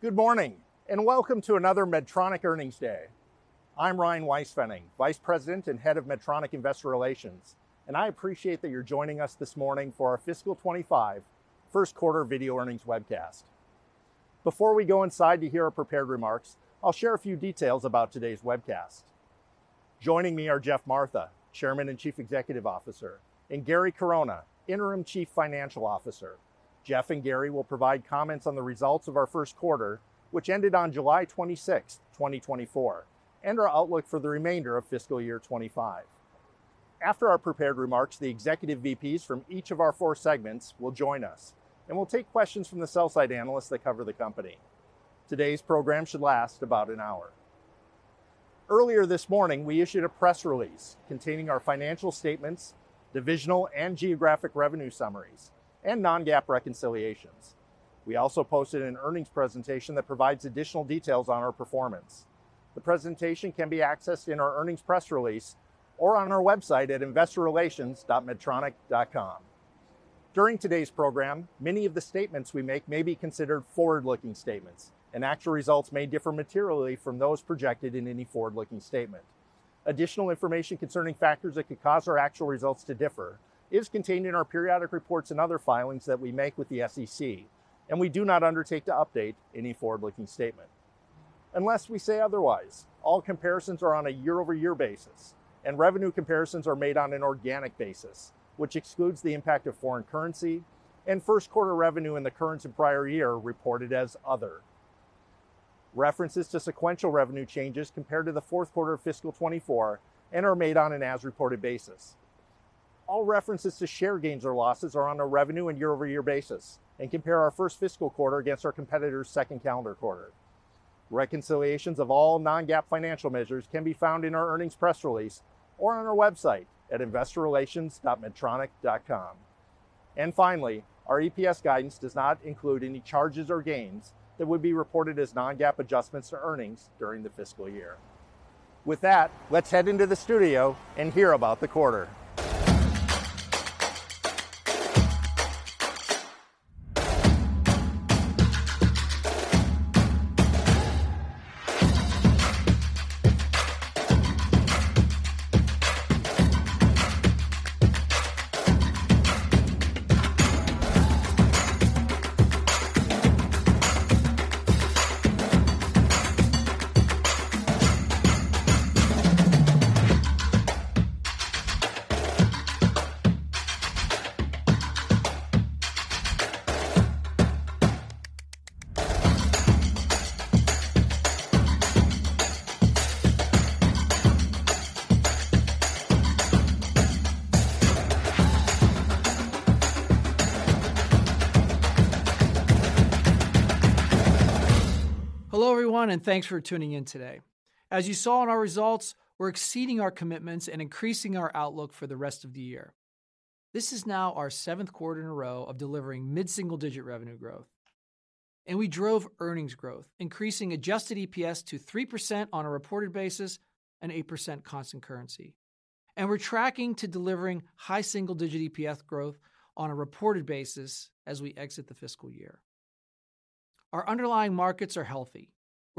Good morning, and welcome to another Medtronic Earnings Day. I'm Ryan Weispfenning, Vice President and Head of Medtronic Investor Relations, and I appreciate that you're joining us this morning for our fiscal twenty-five first quarter video earnings webcast. Before we go inside to hear our prepared remarks, I'll share a few details about today's webcast. Joining me are Geoff Martha, Chairman and Chief Executive Officer, and Gary Corona, Interim Chief Financial Officer. Geoff and Gary will provide comments on the results of our first quarter, which ended on July twenty-six, twenty twenty-four, and our outlook for the remainder of fiscal year twenty-five. After our prepared remarks, the executive VPs from each of our four segments will join us, and we'll take questions from the sell-side analysts that cover the company. Today's program should last about an hour. Earlier this morning, we issued a press release containing our financial statements, divisional and geographic revenue summaries, and non-GAAP reconciliations. We also posted an earnings presentation that provides additional details on our performance. The presentation can be accessed in our earnings press release or on our website at investorrelations.medtronic.com. During today's program, many of the statements we make may be considered forward-looking statements, and actual results may differ materially from those projected in any forward-looking statement. Additional information concerning factors that could cause our actual results to differ is contained in our periodic reports and other filings that we make with the SEC, and we do not undertake to update any forward-looking statement. Unless we say otherwise, all comparisons are on a year-over-year basis, and revenue comparisons are made on an organic basis, which excludes the impact of foreign currency and first quarter revenue in the current and prior year reported as other. References to sequential revenue changes compared to the fourth quarter of fiscal twenty-four and are made on an as reported basis. All references to share gains or losses are on a revenue and year-over-year basis and compare our first fiscal quarter against our competitors' second calendar quarter. Reconciliations of all non-GAAP financial measures can be found in our earnings press release or on our website at investorrelations.medtronic.com. And finally, our EPS guidance does not include any charges or gains that would be reported as non-GAAP adjustments to earnings during the fiscal year. With that, let's head into the studio and hear about the quarter. Hello, everyone, and thanks for tuning in today. As you saw in our results, we're exceeding our commitments and increasing our outlook for the rest of the year. This is now our seventh quarter in a row of delivering mid-single-digit revenue growth, and we drove earnings growth, increasing adjusted EPS to 3% on a reported basis and 8% constant currency. And we're tracking to delivering high single-digit EPS growth on a reported basis as we exit the fiscal year. Our underlying markets are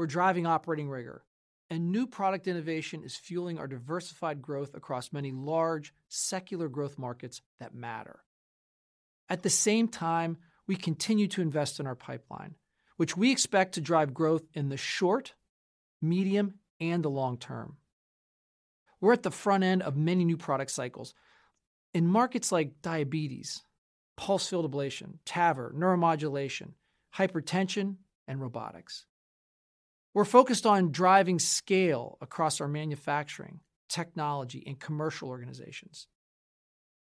healthy. We're driving operating rigor, and new product innovation is fueling our diversified growth across many large, secular growth markets that matter. At the same time, we continue to invest in our pipeline, which we expect to drive growth in the short, medium, and the long term. We're at the front end of many new product cycles in markets like diabetes, pulsed field ablation, TAVR, neuromodulation, hypertension, and robotics. We're focused on driving scale across our manufacturing, technology, and commercial organizations,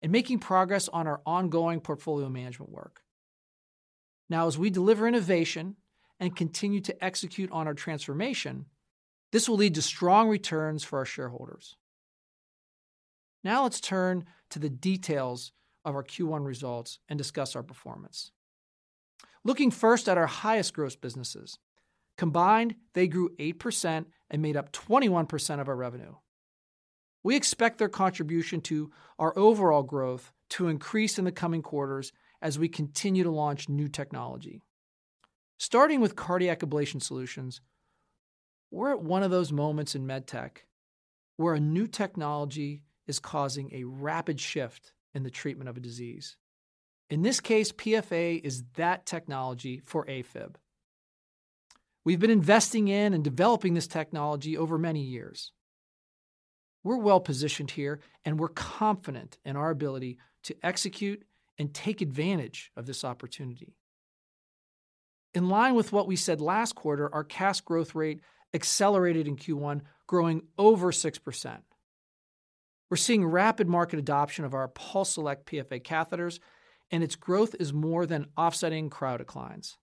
and making progress on our ongoing portfolio management work. Now, as we deliver innovation and continue to execute on our transformation, this will lead to strong returns for our shareholders. Now, let's turn to the details of our Q1 results and discuss our performance. Looking first at our highest growth businesses, combined, they grew 8% and made up 21% of our revenue. We expect their contribution to our overall growth to increase in the coming quarters as we continue to launch new technology. Starting with cardiac ablation solutions, we're at one of those moments in MedTech where a new technology is causing a rapid shift in the treatment of a disease. In this case, PFA is that technology for AFib. We've been investing in and developing this technology over many years. We're well positioned here, and we're confident in our ability to execute and take advantage of this opportunity. In line with what we said last quarter, our CAS growth rate accelerated in Q1, growing over 6%. We're seeing rapid market adoption of our PulseSelect PFA catheters, and its growth is more than offsetting cryo declines.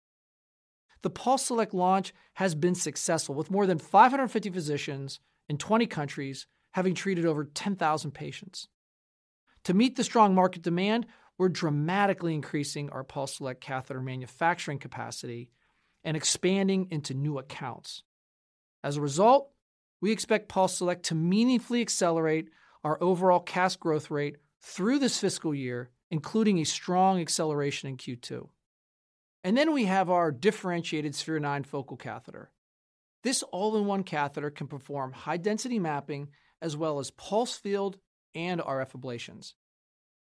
The PulseSelect launch has been successful, with more than 550 physicians in 20 countries having treated over 10,000 patients. To meet the strong market demand, we're dramatically increasing our PulseSelect catheter manufacturing capacity and expanding into new accounts. As a result, we expect PulseSelect to meaningfully accelerate our overall CAS growth rate through this fiscal year, including a strong acceleration in Q2. And then we have our differentiated Sphere-9 focal catheter. This all-in-one catheter can perform high density mapping as well as pulsed field and RF ablations.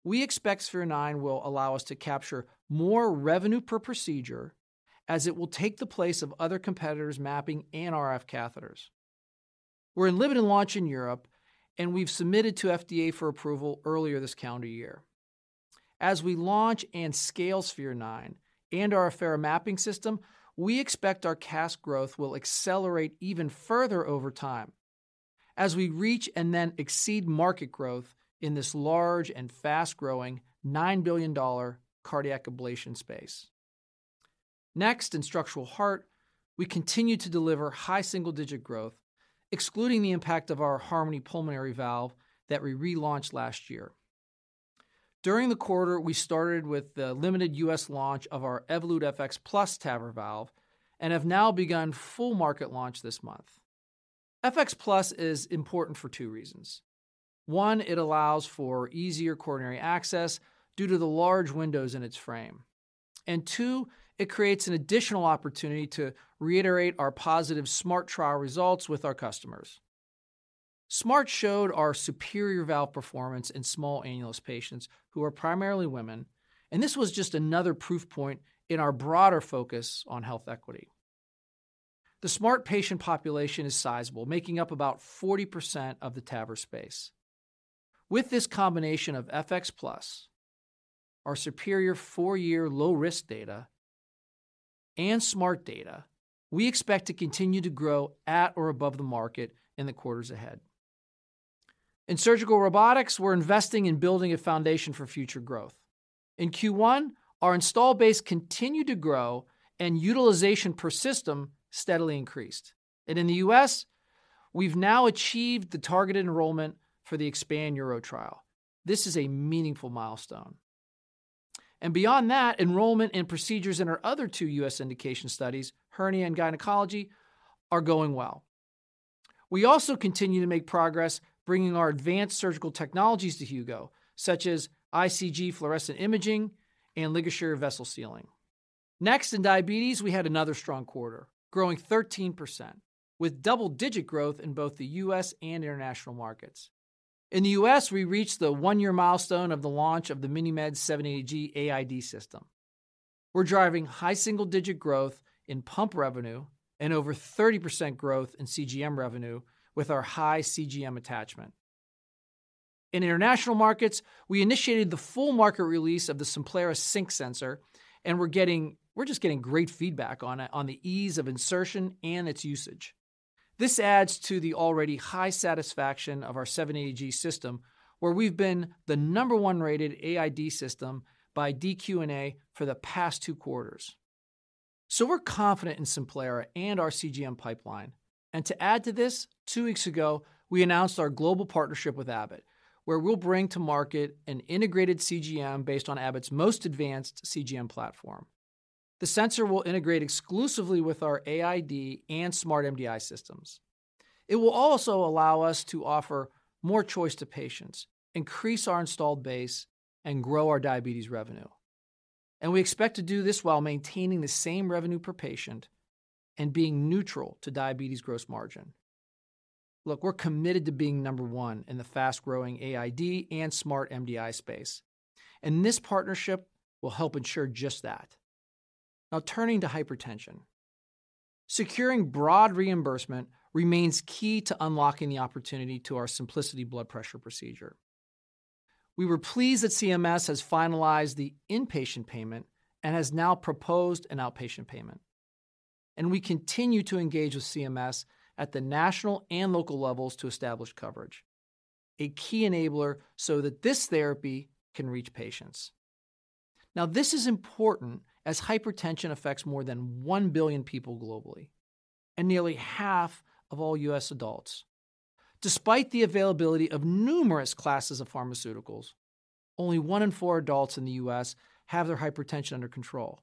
We expect Sphere-9 will allow us to capture more revenue per procedure as it will take the place of other competitors' mapping and RF catheters. We're in limited launch in Europe, and we've submitted to FDA for approval earlier this calendar year. As we launch and scale Sphere-9 and our Affera Mapping system, we expect our CAS growth will accelerate even further over time as we reach and then exceed market growth in this large and fast-growing $9 billion cardiac ablation space. Next, in structural heart, we continue to deliver high single-digit growth, excluding the impact of our Harmony pulmonary valve that we relaunched last year. During the quarter, we started with the limited U.S. launch of our Evolut FX+ TAVR valve and have now begun full market launch this month. FX+ is important for two reasons: one, it allows for easier coronary access due to the large windows in its frame, and two, it creates an additional opportunity to reiterate our positive SMART trial results with our customers. SMART showed our superior valve performance in small annulus patients who are primarily women, and this was just another proof point in our broader focus on health equity. The SMART patient population is sizable, making up about 40% of the TAVR space. With this combination of FX+, our superior four-year low-risk data, and SMART data, we expect to continue to grow at or above the market in the quarters ahead. In surgical robotics, we're investing in building a foundation for future growth. In Q1, our install base continued to grow and utilization per system steadily increased, and in the U.S., we've now achieved the targeted enrollment for the EXPAND URO trial. This is a meaningful milestone, and beyond that, enrollment and procedures in our other two U.S. indication studies, hernia and gynecology, are going well. We also continue to make progress bringing our advanced surgical technologies to Hugo, such as ICG fluorescent imaging and LigaSure vessel sealing. Next, in diabetes, we had another strong quarter, growing 13%, with double-digit growth in both the U.S. and international markets. In the U.S., we reached the one-year milestone of the launch of the MiniMed 780G AID system. We're driving high single-digit growth in pump revenue and over 30% growth in CGM revenue with our high CGM attachment. In international markets, we initiated the full market release of the Simplera Sync sensor, and we're just getting great feedback on it, on the ease of insertion and its usage. This adds to the already high satisfaction of our 780G system, where we've been the number one-rated AID system by dQ&A for the past two quarters. So we're confident in Simplera and our CGM pipeline. And to add to this, two weeks ago, we announced our global partnership with Abbott, where we'll bring to market an integrated CGM based on Abbott's most advanced CGM platform. The sensor will integrate exclusively with our AID and smart MDI systems. It will also allow us to offer more choice to patients, increase our installed base, and grow our diabetes revenue. And we expect to do this while maintaining the same revenue per patient and being neutral to diabetes gross margin. Look, we're committed to being number one in the fast-growing AID and smart MDI space, and this partnership will help ensure just that. Now, turning to hypertension. Securing broad reimbursement remains key to unlocking the opportunity to our Symplicity blood pressure procedure. We were pleased that CMS has finalized the inpatient payment and has now proposed an outpatient payment, and we continue to engage with CMS at the national and local levels to establish coverage, a key enabler so that this therapy can reach patients. Now, this is important as hypertension affects more than one billion people globally and nearly half of all U.S. adults. Despite the availability of numerous classes of pharmaceuticals, only one in four adults in the U.S. have their hypertension under control.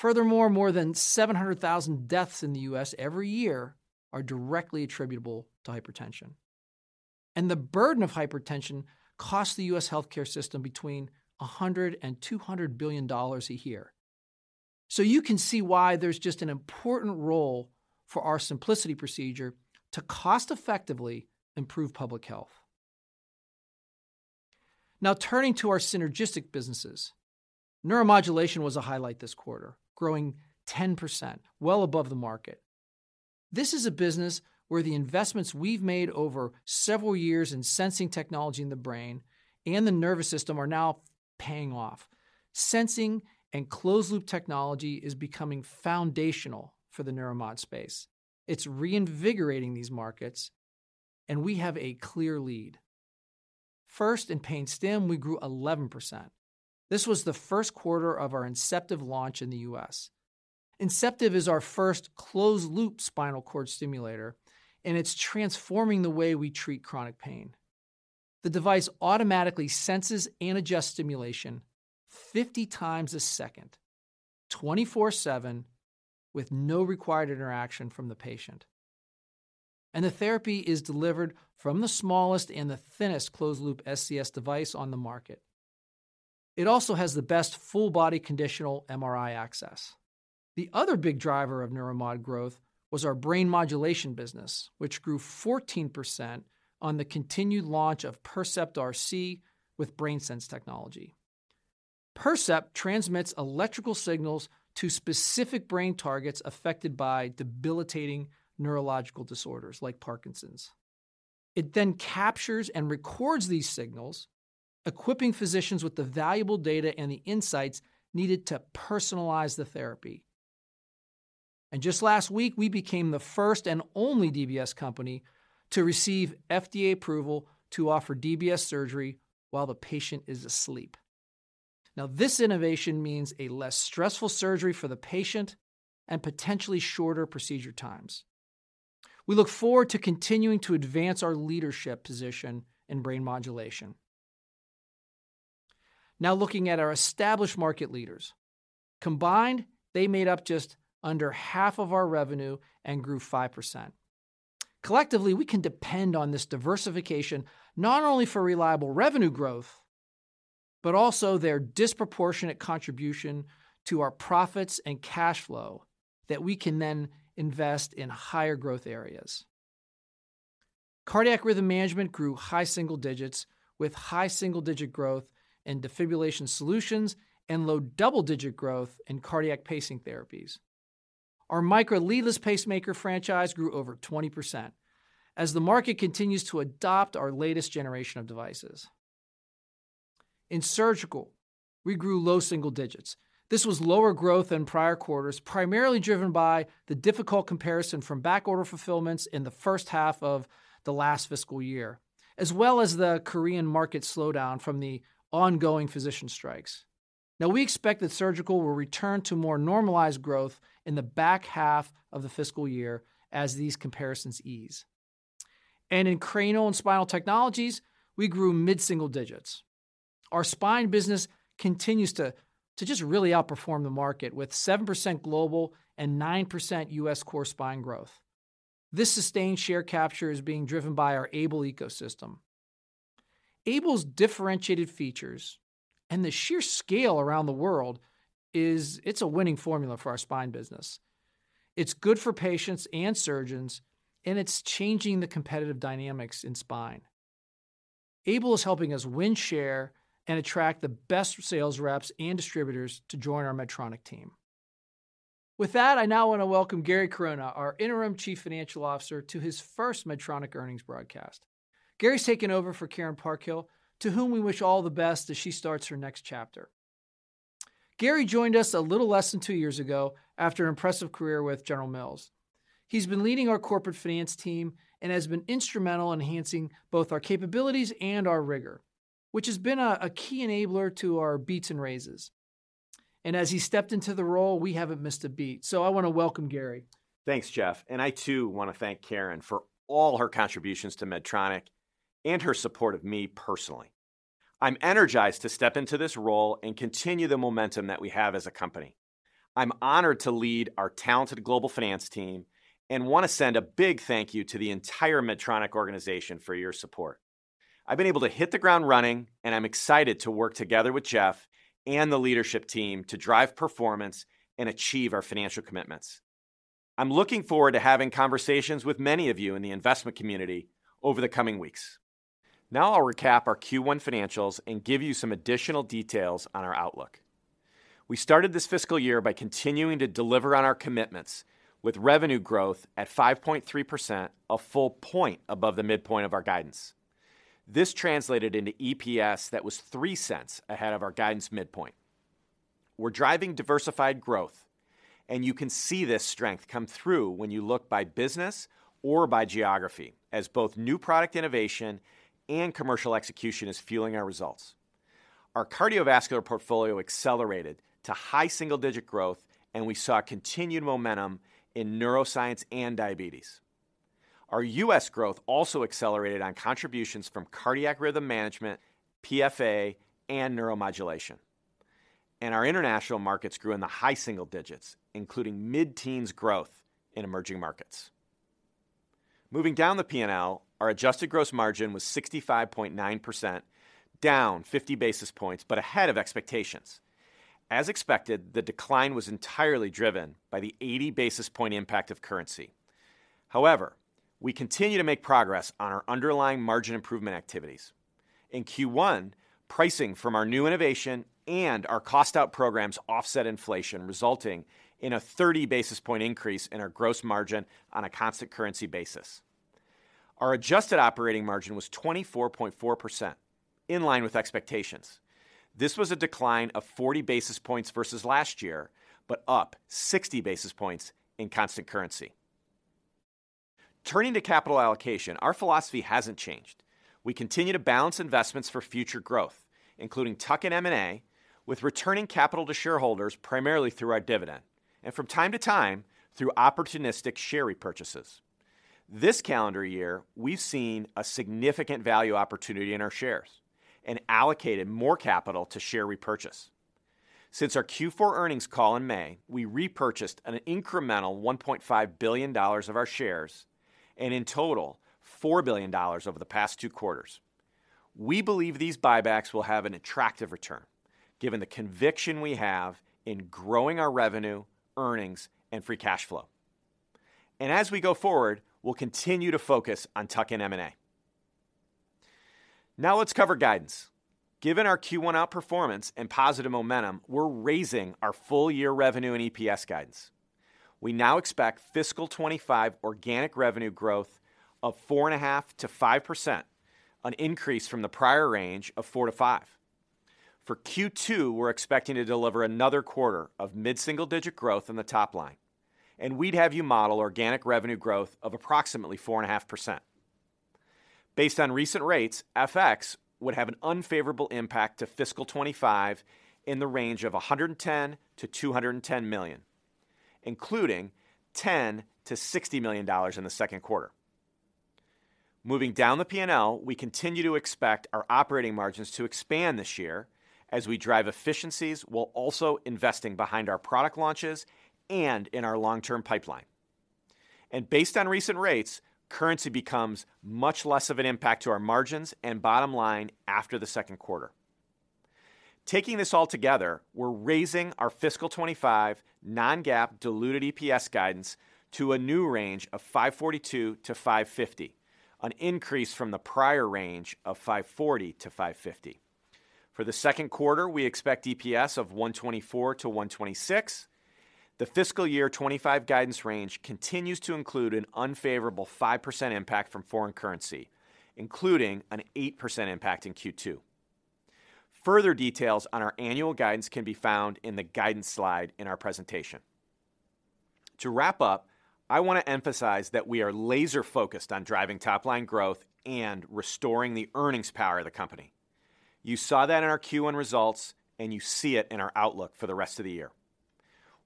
Furthermore, more than 700,000 deaths in the U.S. every year are directly attributable to hypertension, and the burden of hypertension costs the U.S. healthcare system between $100 and $200 billion a year. So you can see why there's just an important role for our Symplicity procedure to cost-effectively improve public health. Now, turning to our synergistic businesses. Neuromodulation was a highlight this quarter, growing 10%, well above the market. This is a business where the investments we've made over several years in sensing technology in the brain and the nervous system are now paying off. Sensing and closed-loop technology is becoming foundational for the neuromod space. It's reinvigorating these markets, and we have a clear lead. First, in pain stim, we grew 11%. This was the first quarter of our Inceptiv launch in the U.S. Inceptiv is our first closed-loop spinal cord stimulator, and it's transforming the way we treat chronic pain. The device automatically senses and adjusts stimulation 50 times a second, 24/7, with no required interaction from the patient. And the therapy is delivered from the smallest and the thinnest closed-loop SCS device on the market. It also has the best full-body conditional MRI access. The other big driver of neuromod growth was our brain modulation business, which grew 14% on the continued launch of Percept RC with BrainSense technology. Percept transmits electrical signals to specific brain targets affected by debilitating neurological disorders like Parkinson's. It then captures and records these signals, equipping physicians with the valuable data and the insights needed to personalize the therapy. And just last week, we became the first and only DBS company to receive FDA approval to offer DBS surgery while the patient is asleep. Now, this innovation means a less stressful surgery for the patient and potentially shorter procedure times. We look forward to continuing to advance our leadership position in brain modulation. Now, looking at our established market leaders. Combined, they made up just under half of our revenue and grew 5%. Collectively, we can depend on this diversification not only for reliable revenue growth, but also their disproportionate contribution to our profits and cash flow that we can then invest in higher growth areas. Cardiac rhythm management grew high single digits, with high single-digit growth in defibrillation solutions and low double-digit growth in cardiac pacing therapies. Our Micra leadless pacemaker franchise grew over 20% as the market continues to adopt our latest generation of devices. In surgical, we grew low single digits. This was lower growth than prior quarters, primarily driven by the difficult comparison from backorder fulfillments in the first half of the last fiscal year, as well as the Korean market slowdown from the ongoing physician strikes. Now, we expect that surgical will return to more normalized growth in the back half of the fiscal year as these comparisons ease. And in cranial and spinal technologies, we grew mid-single digits. Our spine business continues to just really outperform the market, with 7% global and 9% U.S. core spine growth. This sustained share capture is being driven by our AiBLE ecosystem. AiBLE's differentiated features and the sheer scale around the world is. It's a winning formula for our spine business. It's good for patients and surgeons, and it's changing the competitive dynamics in spine. AiBLE is helping us win, share, and attract the best sales reps and distributors to join our Medtronic team. With that, I now want to welcome Gary Corona, our interim Chief Financial Officer, to his first Medtronic earnings broadcast. Gary's taking over for Karen Parkhill, to whom we wish all the best as she starts her next chapter. Gary joined us a little less than two years ago after an impressive career with General Mills. He's been leading our corporate finance team and has been instrumental in enhancing both our capabilities and our rigor, which has been a key enabler to our beats and raises. And as he stepped into the role, we haven't missed a beat. So I want to welcome Gary. Thanks, Geoff, and I too want to thank Karen for all her contributions to Medtronic and her support of me personally. I'm energized to step into this role and continue the momentum that we have as a company. I'm honored to lead our talented global finance team and want to send a big thank you to the entire Medtronic organization for your support. I've been able to hit the ground running, and I'm excited to work together with Geoff and the leadership team to drive performance and achieve our financial commitments. I'm looking forward to having conversations with many of you in the investment community over the coming weeks. Now, I'll recap our Q one financials and give you some additional details on our outlook. We started this fiscal year by continuing to deliver on our commitments with revenue growth at 5.3%, a full point above the midpoint of our guidance. This translated into EPS that was $0.03 ahead of our guidance midpoint. We're driving diversified growth, and you can see this strength come through when you look by business or by geography, as both new product innovation and commercial execution is fueling our results. Our cardiovascular portfolio accelerated to high single-digit growth, and we saw continued momentum in neuroscience and diabetes. Our U.S. growth also accelerated on contributions from cardiac rhythm management, PFA, and neuromodulation. And our international markets grew in the high single digits, including mid-teens growth in emerging markets. Moving down the P&L, our adjusted gross margin was 65.9%, down 50 basis points, but ahead of expectations. As expected, the decline was entirely driven by the 80 basis point impact of currency. However, we continue to make progress on our underlying margin improvement activities. In Q1, pricing from our new innovation and our cost out programs offset inflation, resulting in a 30 basis point increase in our gross margin on a constant currency basis. Our adjusted operating margin was 24.4%, in line with expectations. This was a decline of 40 basis points versus last year, but up 60 basis points in constant currency. Turning to capital allocation, our philosophy hasn't changed. We continue to balance investments for future growth, including tuck-in M&A, with returning capital to shareholders, primarily through our dividend... and from time to time, through opportunistic share repurchases. This calendar year, we've seen a significant value opportunity in our shares and allocated more capital to share repurchase. Since our Q4 earnings call in May, we repurchased an incremental $1.5 billion of our shares, and in total, $4 billion over the past two quarters. We believe these buybacks will have an attractive return, given the conviction we have in growing our revenue, earnings, and free cash flow, and as we go forward, we'll continue to focus on tuck-in M&A. Now let's cover guidance. Given our Q1 outperformance and positive momentum, we're raising our full-year revenue and EPS guidance. We now expect Fiscal twenty-five organic revenue growth of 4.5%-5%, an increase from the prior range of 4%-5%. For Q2, we're expecting to deliver another quarter of mid-single-digit growth on the top line, and we'd have you model organic revenue growth of approximately 4.5%. Based on recent rates, FX would have an unfavorable impact to fiscal twenty-five in the range of $110 million-$210 million, including $10 million-$60 million in the second quarter. Moving down the P&L, we continue to expect our operating margins to expand this year as we drive efficiencies, while also investing behind our product launches and in our long-term pipeline. And based on recent rates, currency becomes much less of an impact to our margins and bottom line after the second quarter. Taking this all together, we're raising our fiscal twenty-five non-GAAP diluted EPS guidance to a new range of $5.42-$5.50, an increase from the prior range of $5.40-$5.50. For the second quarter, we expect EPS of $1.24-$1.26. The Fiscal Year 2025 guidance range continues to include an unfavorable 5% impact from foreign currency, including an 8% impact in Q2. Further details on our annual guidance can be found in the guidance slide in our presentation. To wrap up, I want to emphasize that we are laser-focused on driving top-line growth and restoring the earnings power of the company. You saw that in our Q1 results, and you see it in our outlook for the rest of the year.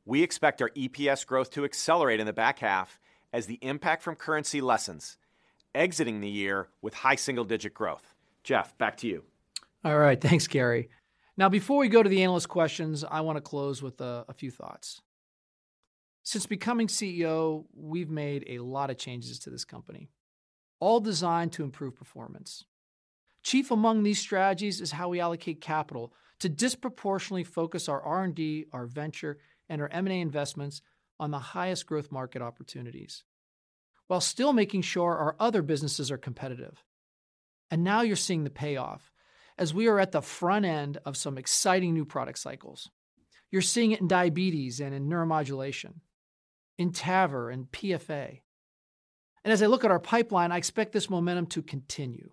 We expect our EPS growth to accelerate in the back half as the impact from currency lessens, exiting the year with high single-digit growth. Geoff, back to you. All right, thanks, Gary. Now, before we go to the analyst questions, I want to close with a few thoughts. Since becoming CEO, we've made a lot of changes to this company, all designed to improve performance. Chief among these strategies is how we allocate capital to disproportionately focus our R&D, our venture, and our M&A investments on the highest growth market opportunities, while still making sure our other businesses are competitive. And now you're seeing the payoff, as we are at the front end of some exciting new product cycles. You're seeing it in diabetes and in neuromodulation, in TAVR and PFA. And as I look at our pipeline, I expect this momentum to continue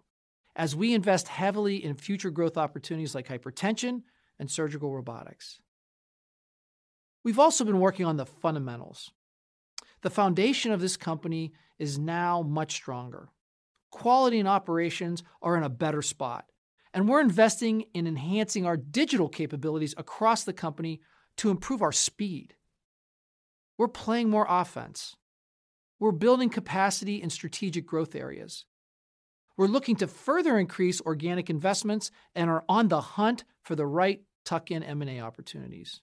as we invest heavily in future growth opportunities like hypertension and surgical robotics. We've also been working on the fundamentals. The foundation of this company is now much stronger. Quality and operations are in a better spot, and we're investing in enhancing our digital capabilities across the company to improve our speed. We're playing more offense. We're building capacity in strategic growth areas. We're looking to further increase organic investments and are on the hunt for the right tuck-in M&A opportunities.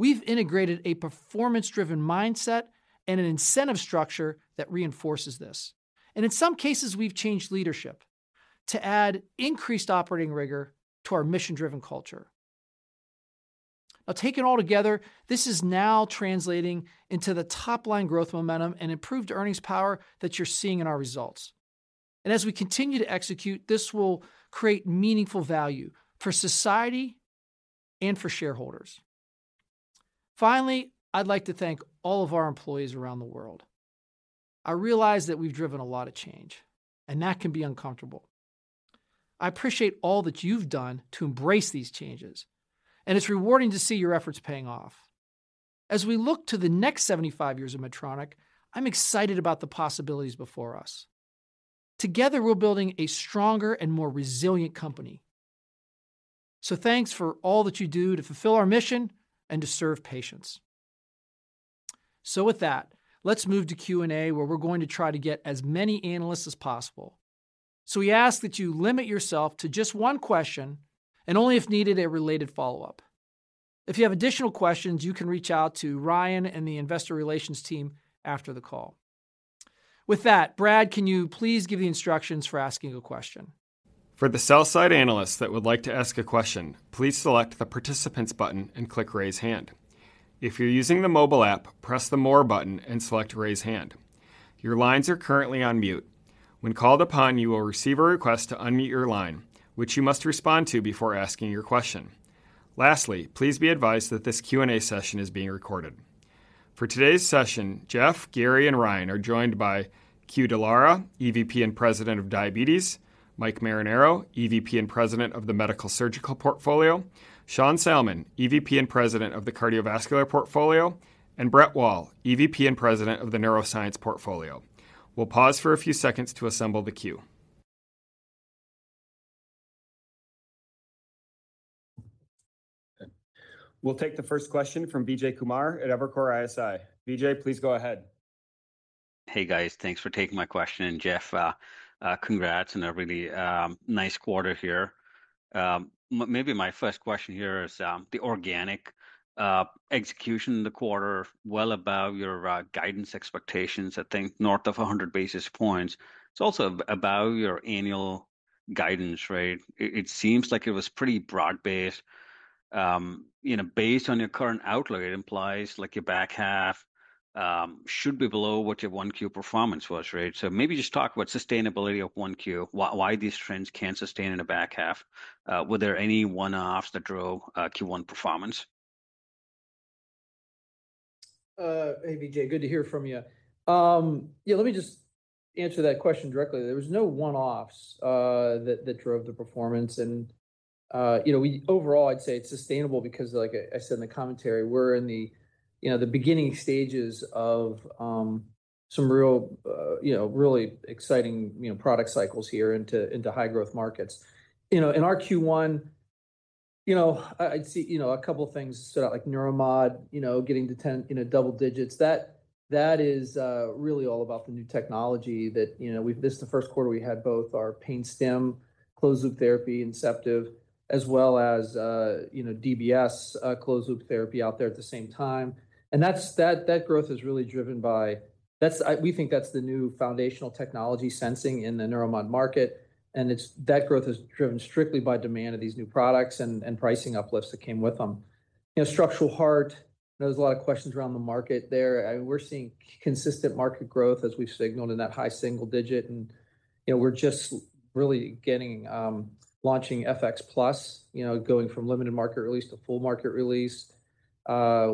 We've integrated a performance-driven mindset and an incentive structure that reinforces this, and in some cases, we've changed leadership to add increased operating rigor to our mission-driven culture. Now, taken all together, this is now translating into the top-line growth momentum and improved earnings power that you're seeing in our results. And as we continue to execute, this will create meaningful value for society and for shareholders. Finally, I'd like to thank all of our employees around the world. I realize that we've driven a lot of change, and that can be uncomfortable. I appreciate all that you've done to embrace these changes, and it's rewarding to see your efforts paying off. As we look to the next 75 years of Medtronic, I'm excited about the possibilities before us. Together, we're building a stronger and more resilient company. So thanks for all that you do to fulfill our mission and to serve patients. So with that, let's move to Q&A, where we're going to try to get as many analysts as possible. So we ask that you limit yourself to just one question and only if needed, a related follow-up. If you have additional questions, you can reach out to Ryan and the investor relations team after the call. With that, Brad, can you please give the instructions for asking a question? For the sell side analysts that would like to ask a question, please select the Participants button and click Raise Hand. If you're using the mobile app, press the More button and select Raise Hand. Your lines are currently on mute. When called upon, you will receive a request to unmute your line, which you must respond to before asking your question. Lastly, please be advised that this Q&A session is being recorded. For today's session, Geoff, Gary, and Ryan are joined by Que Dallara, EVP and President of Diabetes, Mike Marinaro, EVP and President of the Medical Surgical Portfolio, Sean Salmon, EVP and President of the Cardiovascular Portfolio, and Brett Wall, EVP and President of the Neuroscience Portfolio. We'll pause for a few seconds to assemble the queue.... We'll take the first question from Vijay Kumar at Evercore ISI. Vijay, please go ahead. Hey, guys. Thanks for taking my question. And, Geoff, congrats on a really nice quarter here. Maybe my first question here is the organic execution in the quarter, well above your guidance expectations, I think north of 100 basis points. It's also above your annual guidance, right? It seems like it was pretty broad-based. You know, based on your current outlook, it implies like your back half should be below what your 1Q performance was, right? So maybe just talk about sustainability of 1Q, why these trends can't sustain in the back half. Were there any one-offs that drove Q1 performance? Hey, Vijay, good to hear from you. Yeah, let me just answer that question directly. There was no one-offs that drove the performance and, you know, overall, I'd say it's sustainable because like I said in the commentary, we're in the beginning stages of some really exciting product cycles here into high growth markets. You know, in our Q1, I'd see a couple of things stood out, like neuromod getting to 10 double digits. That is really all about the new technology that, you know. This is the first quarter we had both our pain stim closed-loop therapy, Inceptiv, as well as DBS closed-loop therapy out there at the same time. And that's that growth is really driven by that's we think that's the new foundational technology sensing in the neuromod market, and it's that growth is driven strictly by demand of these new products and pricing uplifts that came with them. You know, structural heart, there was a lot of questions around the market there, and we're seeing consistent market growth as we've signaled in that high single digit. And you know, we're just really getting launching FX+, you know, going from limited market release to full market release,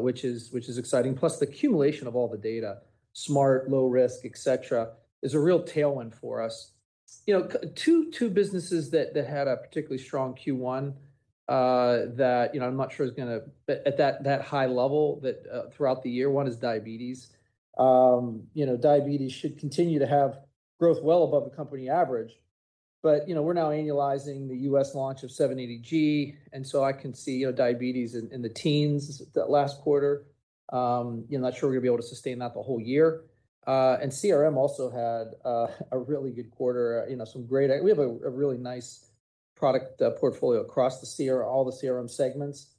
which is exciting. Plus, the accumulation of all the data, SMART, low risk, et cetera, is a real tailwind for us. You know, two businesses that had a particularly strong Q1, that you know, I'm not sure is gonna... At that high level, throughout the year, one is diabetes. You know, diabetes should continue to have growth well above the company average. But, you know, we're now annualizing the US launch of 780G, and so I can see, you know, diabetes in the teens, that last quarter. I'm not sure we're gonna be able to sustain that the whole year. And CRM also had a really good quarter, you know, we have a really nice product portfolio across CRM, all the CRM segments,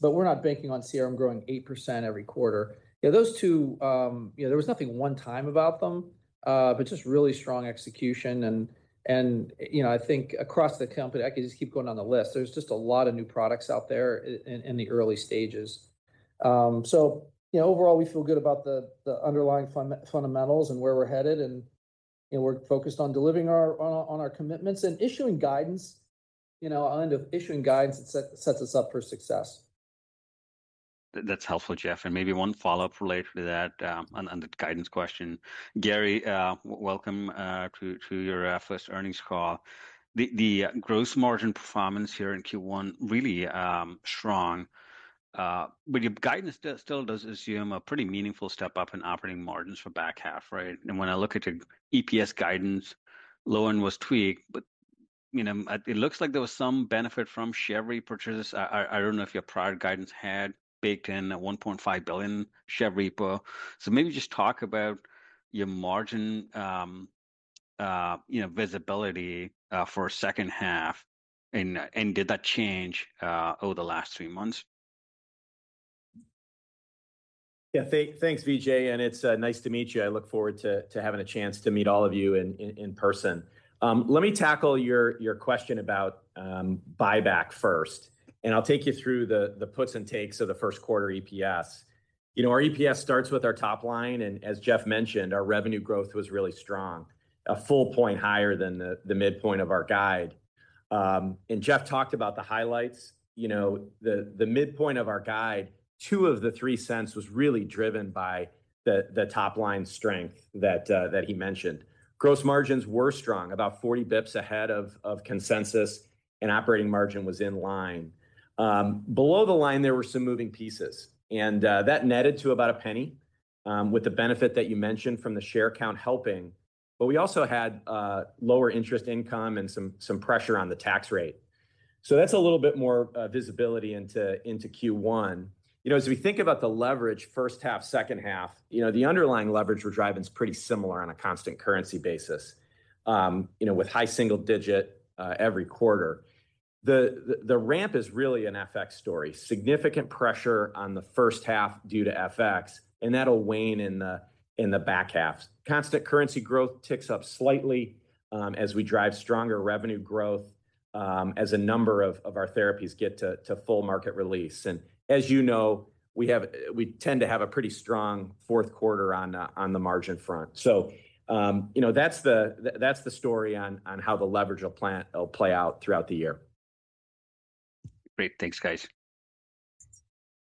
but we're not banking on CRM growing 8% every quarter. Yeah, those two, you know, there was nothing one time about them, but just really strong execution and, you know, I think across the company, I could just keep going down the list. There's just a lot of new products out there in the early stages. So, you know, overall, we feel good about the underlying fundamentals and where we're headed, and, you know, we're focused on delivering our commitments. And issuing guidance, you know, end of issuing guidance, it sets us up for success. That's helpful, Geoff. And maybe one follow-up related to that, on the guidance question. Gary, welcome to your first earnings call. The gross margin performance here in Q1, really strong, but your guidance still does assume a pretty meaningful step up in operating margins for back half, right? And when I look at your EPS guidance, low end was tweaked, but, you know, it looks like there was some benefit from share repurchase. I don't know if your prior guidance had baked in a $1.5 billion share repo. So maybe just talk about your margin, you know, visibility for second half, and did that change over the last three months? Yeah, thanks, Vijay, and it's nice to meet you. I look forward to having a chance to meet all of you in person. Let me tackle your question about buyback first, and I'll take you through the puts and takes of the first quarter EPS. You know, our EPS starts with our top line, and as Geoff mentioned, our revenue growth was really strong, a full point higher than the midpoint of our guide. And Geoff talked about the highlights. You know, the midpoint of our guide, two of the three cents was really driven by the top line strength that he mentioned. Gross margins were strong, about 40 basis points ahead of consensus, and operating margin was in line. Below the line, there were some moving pieces, and that netted to about $0.01, with the benefit that you mentioned from the share count helping. But we also had lower interest income and some pressure on the tax rate. So that's a little bit more visibility into Q1. You know, as we think about the leverage first half, second half, you know, the underlying leverage we're driving is pretty similar on a constant currency basis, you know, with high single digit every quarter. The ramp is really an FX story, significant pressure on the first half due to FX, and that'll wane in the back half. Constant currency growth ticks up slightly, as we drive stronger revenue growth, as a number of our therapies get to full market release. As you know, we tend to have a pretty strong fourth quarter on the margin front. So, you know, that's the story on how the leverage will play out throughout the year. Great. Thanks, guys.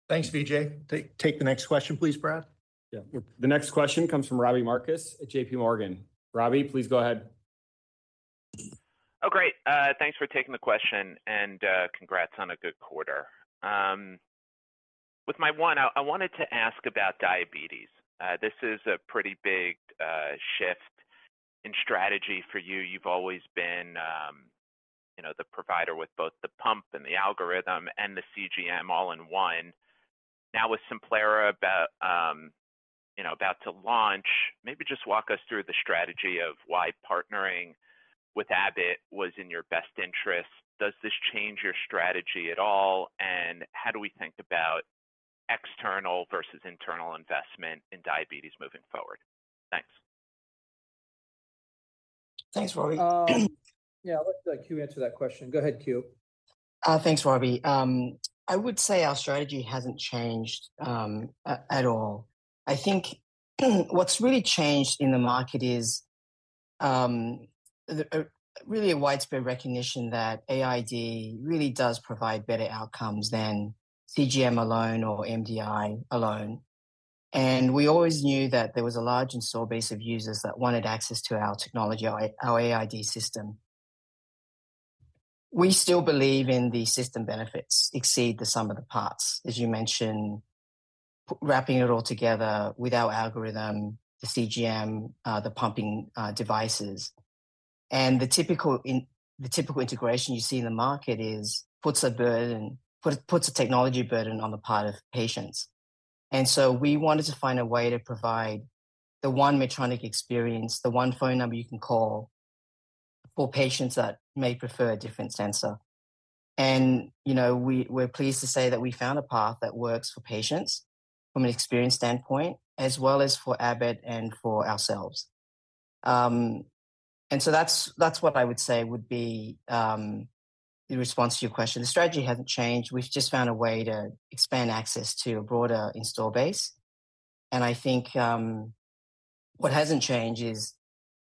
Thanks, Vijay. Take the next question, please, Brad. Yeah. The next question comes from Robbie Marcus at JP Morgan. Robbie, please go ahead. Oh, great. Thanks for taking the question, and, congrats on a good quarter. With my one, I, I wanted to ask about diabetes. This is a pretty big shift in strategy for you. You've always been, you know, the provider with both the pump and the algorithm and the CGM all in one. Now, with Simplera about, you know, about to launch, maybe just walk us through the strategy of why partnering with Abbott was in your best interest. Does this change your strategy at all, and how do we think about external versus internal investment in diabetes moving forward? Thanks. Thanks, Robbie. Yeah, I'll let Que answer that question. Go ahead, Que. Thanks, Robbie. I would say our strategy hasn't changed at all. I think what's really changed in the market is really a widespread recognition that AID really does provide better outcomes than CGM alone or MDI alone. And we always knew that there was a large installed base of users that wanted access to our technology, our AID system. We still believe in the system benefits exceed the sum of the parts. As you mentioned, wrapping it all together with our algorithm, the CGM, the pumping devices. And the typical integration you see in the market puts a technology burden on the part of patients. And so we wanted to find a way to provide the one Medtronic experience, the one phone number you can call for patients that may prefer a different sensor. And, you know, we're pleased to say that we found a path that works for patients from an experience standpoint, as well as for Abbott and for ourselves. And so that's what I would say would be the response to your question. The strategy hasn't changed. We've just found a way to expand access to a broader install base. And I think what hasn't changed is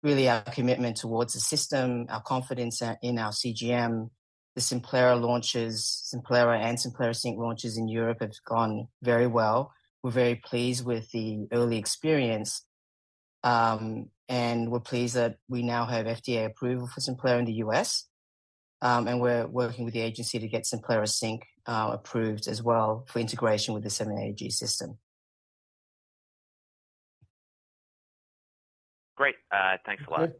really our commitment towards the system, our confidence in our CGM. The Simplera launches, Simplera and Simplera Sync launches in Europe have gone very well. We're very pleased with the early experience, and we're pleased that we now have FDA approval for Simplera in the U.S.. and we're working with the agency to get Simplera Sync approved as well for integration with the 780G system. Great. Thanks a lot. Okay.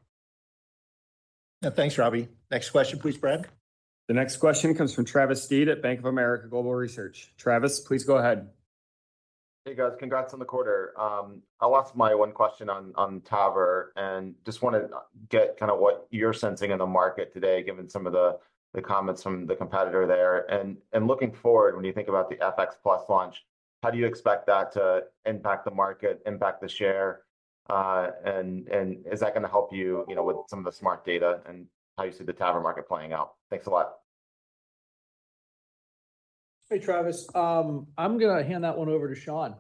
Yeah, thanks, Robbie. Next question, please, Brad. The next question comes from Travis Steed at Bank of America Global Research. Travis, please go ahead. Hey, guys. Congrats on the quarter. I'll ask my one question on TAVR, and just want to get kind of what you're sensing in the market today, given some of the comments from the competitor there. Looking forward, when you think about the FX+ launch, how do you expect that to impact the market, impact the share? Is that gonna help you, you know, with some of the SMART data and how you see the TAVR market playing out? Thanks a lot. Hey, Travis. I'm gonna hand that one over to Sean.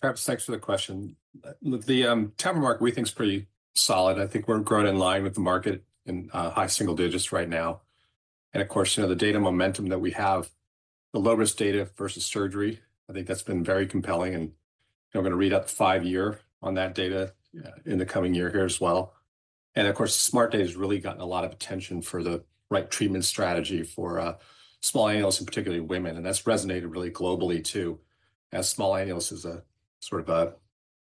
Travis, thanks for the question. Look, the TAVR market we think is pretty solid. I think we're growing in line with the market in high single digits right now. And of course, you know, the data momentum that we have, the low-risk data versus surgery, I think that's been very compelling, and we're gonna read out the five-year on that data in the coming year here as well. And of course, the SMART data has really gotten a lot of attention for the right treatment strategy for small annuli, and particularly women, and that's resonated really globally too, as small annuli is a sort of a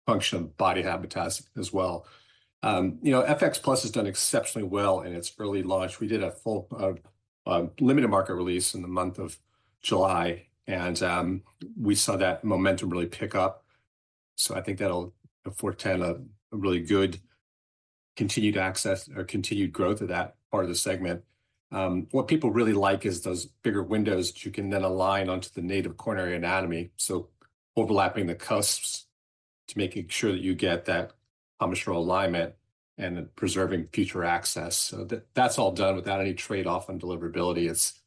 function of body habitus as well. You know, FX plus has done exceptionally well in its early launch. We did a full limited market release in the month of July, and we saw that momentum really pick up. So I think that'll portend a really good continued access or continued growth of that part of the segment. What people really like is those bigger windows that you can then align onto the native coronary anatomy, so overlapping the cusps to making sure that you get that commissural alignment and preserving future access. So that's all done without any trade-off on deliverability. It's,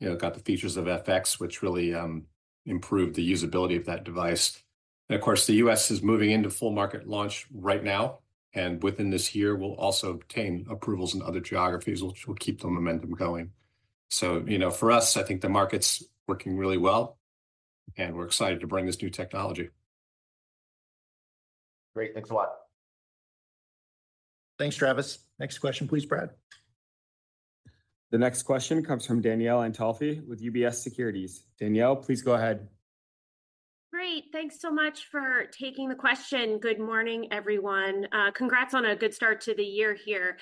you know, got the features of FX, which really improved the usability of that device. And of course, the U.S. is moving into full market launch right now, and within this year, we'll also obtain approvals in other geographies, which will keep the momentum going. So, you know, for us, I think the market's working really well, and we're excited to bring this new technology. Great. Thanks a lot. Thanks, Travis. Next question, please, Brad. The next question comes from Danielle Antalffy with UBS Securities. Danielle, please go ahead. Great, thanks so much for taking the question. Good morning, everyone. Congrats on a good start to the year here.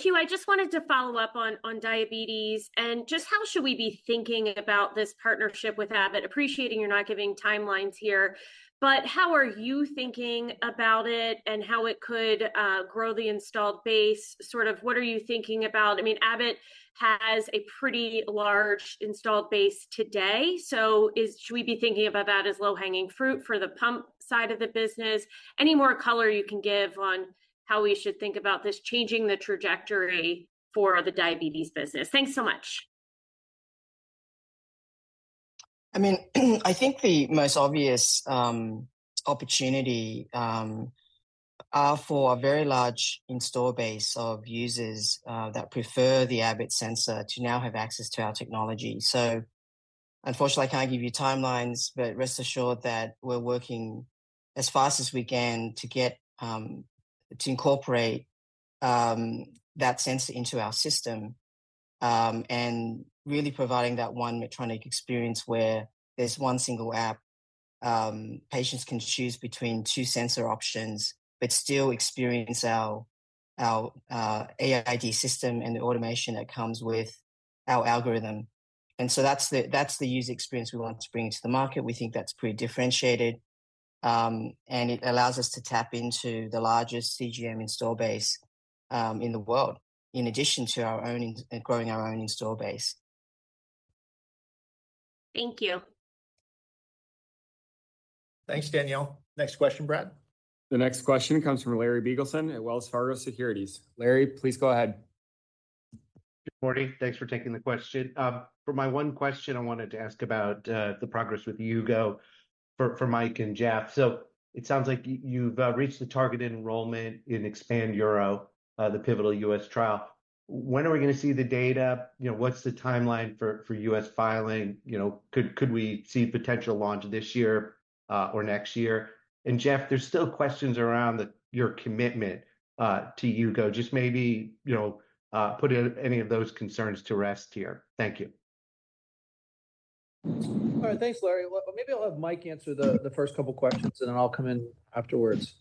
Q, I just wanted to follow up on diabetes, and just how should we be thinking about this partnership with Abbott? Appreciating you're not giving timelines here, but how are you thinking about it and how it could grow the installed base? Sort of, what are you thinking about? I mean, Abbott has a pretty large installed base today, so should we be thinking about that as low-hanging fruit for the pump side of the business? Any more color you can give on how we should think about this changing the trajectory for the diabetes business? Thanks so much. I mean, I think the most obvious opportunity are for a very large install base of users that prefer the Abbott sensor to now have access to our technology. So unfortunately, I can't give you timelines, but rest assured that we're working as fast as we can to get to incorporate that sensor into our system and really providing that one Medtronic experience where there's one single app. Patients can choose between two sensor options, but still experience our AID system and the automation that comes with our algorithm. And so that's the user experience we want to bring to the market. We think that's pretty differentiated and it allows us to tap into the largest CGM install base in the world, in addition to our own, growing our own install base. Thank you. Thanks, Danielle. Next question, Brad. The next question comes from Larry Biegelsen at Wells Fargo Securities. Larry, please go ahead. Good morning. Thanks for taking the question. For my one question, I wanted to ask about the progress with Hugo for Mike and Geoff. So it sounds like you've reached the targeted enrollment in Expand Uro, the pivotal U.S. trial. When are we gonna see the data? You know, what's the timeline for U.S. filing? You know, could we see potential launch this year or next year? And Geoff, there's still questions around your commitment to Hugo. Just maybe, you know, put any of those concerns to rest here. Thank you. All right. Thanks, Larry. Well, maybe I'll have Mike answer the first couple questions, and then I'll come in afterwards.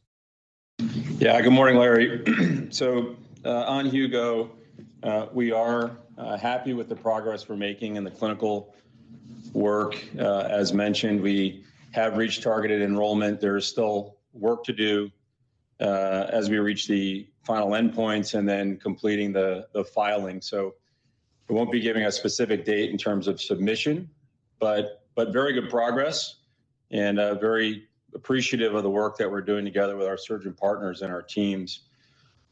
Yeah. Good morning, Larry. So, on Hugo, we are happy with the progress we're making in the clinical work. As mentioned, we have reached targeted enrollment. There is still work to do, as we reach the final endpoints and then completing the filing. So I won't be giving a specific date in terms of submission, but very good progress and very appreciative of the work that we're doing together with our surgeon partners and our teams.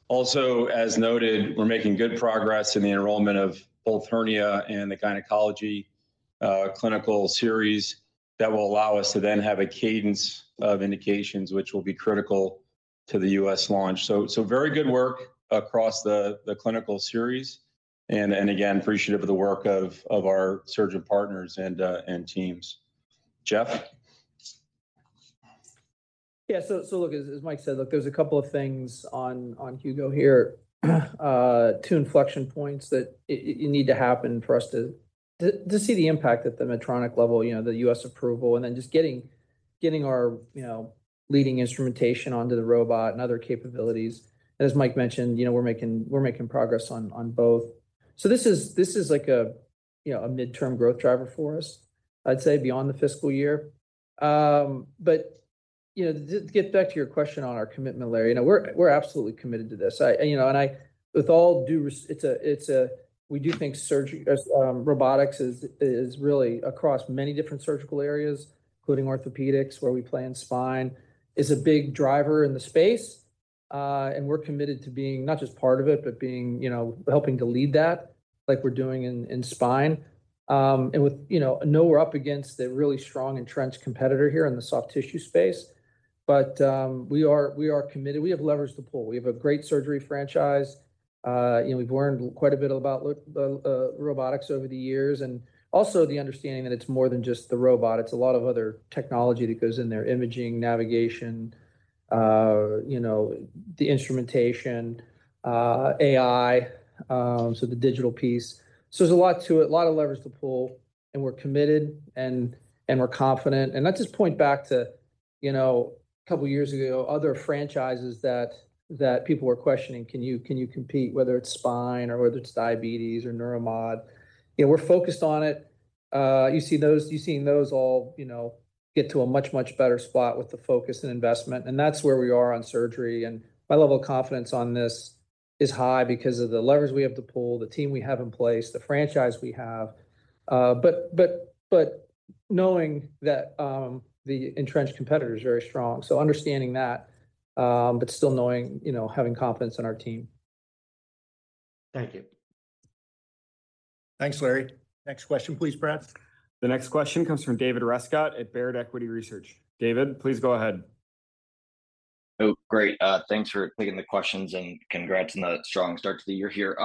Also, as noted, we're making good progress in the enrollment of both hernia and the gynecology clinical series that will allow us to then have a cadence of indications which will be critical to the U.S. launch. So very good work across the clinical series, and again, appreciative of the work of our surgeon partners and teams. Geoff? Yeah, so look, as Mike said, look, there's a couple of things on Hugo here, two inflection points that need to happen for us to see the impact at the Medtronic level, you know, the U.S. approval, and then just getting our leading instrumentation onto the robot and other capabilities. As Mike mentioned, you know, we're making progress on both. So this is like a midterm growth driver for us, I'd say, beyond the fiscal year, but you know, to get back to your question on our commitment, Larry, you know, we're absolutely committed to this. I... You know, with all due respect, we do think surgery robotics is really across many different surgical areas, including orthopedics, where we play in spine, is a big driver in the space. We're committed to being not just part of it, but you know, helping to lead that, like we're doing in spine. You know, I know we're up against a really strong entrenched competitor here in the soft tissue space, but we are committed. We have levers to pull. We have a great surgery franchise. You know, we've learned quite a bit about robotics over the years, and also the understanding that it's more than just the robot. It's a lot of other technology that goes in there: imaging, navigation, you know, the instrumentation, AI, so the digital piece. So there's a lot to it, a lot of levers to pull, and we're committed, and, and we're confident. And let's just point back to, you know, a couple years ago, other franchises that, that people were questioning, "Can you, can you compete?" Whether it's spine, or whether it's diabetes or Neuromod. You know, we're focused on it. You see those, you've seen those all, you know, get to a much, much better spot with the focus and investment, and that's where we are on surgery. My level of confidence on this is high because of the levers we have to pull, the team we have in place, the franchise we have, but knowing that the entrenched competitor is very strong. Understanding that, but still knowing, you know, having confidence in our team. Thank you. Thanks, Larry. Next question, please, Brad. The next question comes from David Rescott at Baird Equity Research. David, please go ahead. Oh, great. Thanks for taking the questions, and congrats on the strong start to the year here.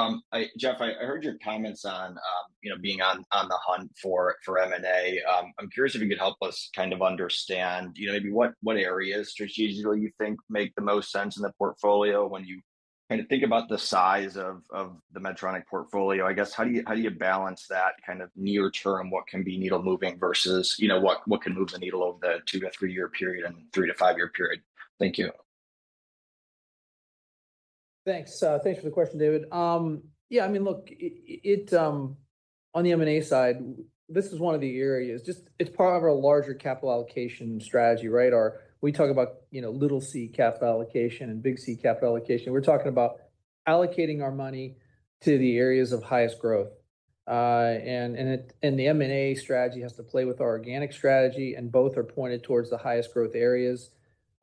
Geoff, I heard your comments on, you know, being on the hunt for M&A. I'm curious if you could help us kind of understand, you know, maybe what areas strategically you think make the most sense in the portfolio when you kind of think about the size of the Medtronic portfolio? I guess, how do you balance that kind of near term, what can be needle moving versus, you know, what can move the needle over the two- to three-year period and three- to five-year period? Thank you. Thanks. Thanks for the question, David. Yeah, I mean, look, it on the M&A side, this is one of the areas. Just, it's part of our larger capital allocation strategy, right? Our we talk about, you know, little c capital allocation and big C capital allocation. We're talking about allocating our money to the areas of highest growth. And the M&A strategy has to play with our organic strategy, and both are pointed towards the highest growth areas.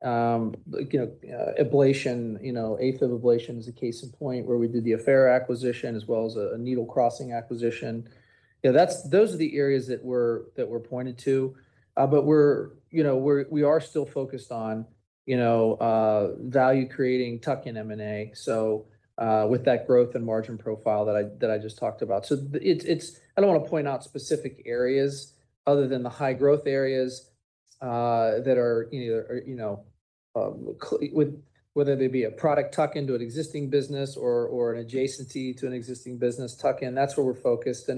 You know, ablation, you know, AFib ablation is a case in point where we did the Affera acquisition as well as a needle crossing acquisition. Yeah, that's those are the areas that we're pointed to, but we're, you know, we are still focused on, you know, value creating tuck-in M&A, so with that growth and margin profile that I just talked about. So it's, I don't want to point out specific areas other than the high-growth areas that are, you know, with whether they be a product tuck into an existing business or an adjacency to an existing business tuck-in, that's where we're focused.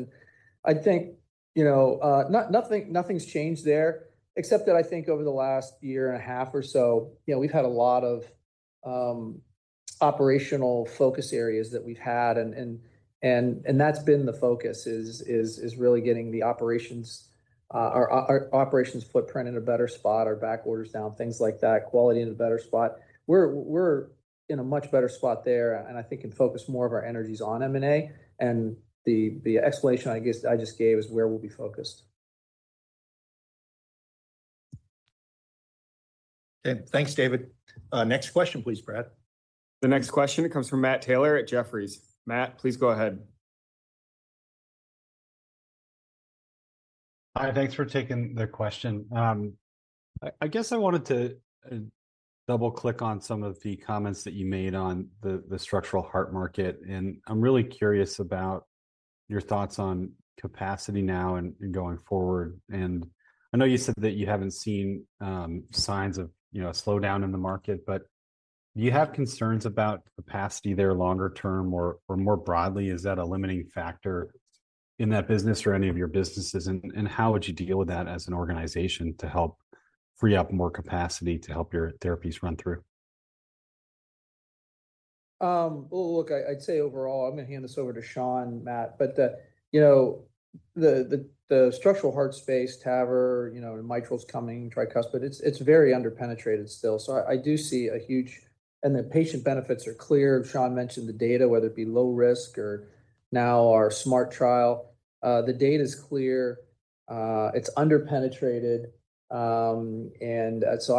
I think, you know, nothing's changed there, except that I think over the last year and a half or so, you know, we've had a lot of operational focus areas that we've had, and that's been the focus, is really getting the operations, our operations footprint in a better spot, our back orders down, things like that, quality in a better spot. We're in a much better spot there, and I think can focus more of our energies on M&A. The explanation I guess I just gave is where we'll be focused. Okay. Thanks, David. Next question please, Brad. The next question comes from Matt Taylor at Jefferies. Matt, please go ahead. Hi, thanks for taking the question. I guess I wanted to double-click on some of the comments that you made on the structural heart market, and I'm really curious about your thoughts on capacity now and going forward, and I know you said that you haven't seen signs of, you know, a slowdown in the market, but do you have concerns about capacity there longer term? Or more broadly, is that a limiting factor in that business or any of your businesses, and how would you deal with that as an organization to help free up more capacity to help your therapies run through? Well, look, I'd say overall... I'm gonna hand this over to Sean, Matt. But, you know, the structural heart space, TAVR, you know, and mitral is coming, tricuspid, it's very under-penetrated still. So I do see a huge and the patient benefits are clear. Sean mentioned the data, whether it be low risk or now our SMART trial. The data's clear, it's under-penetrated. And, so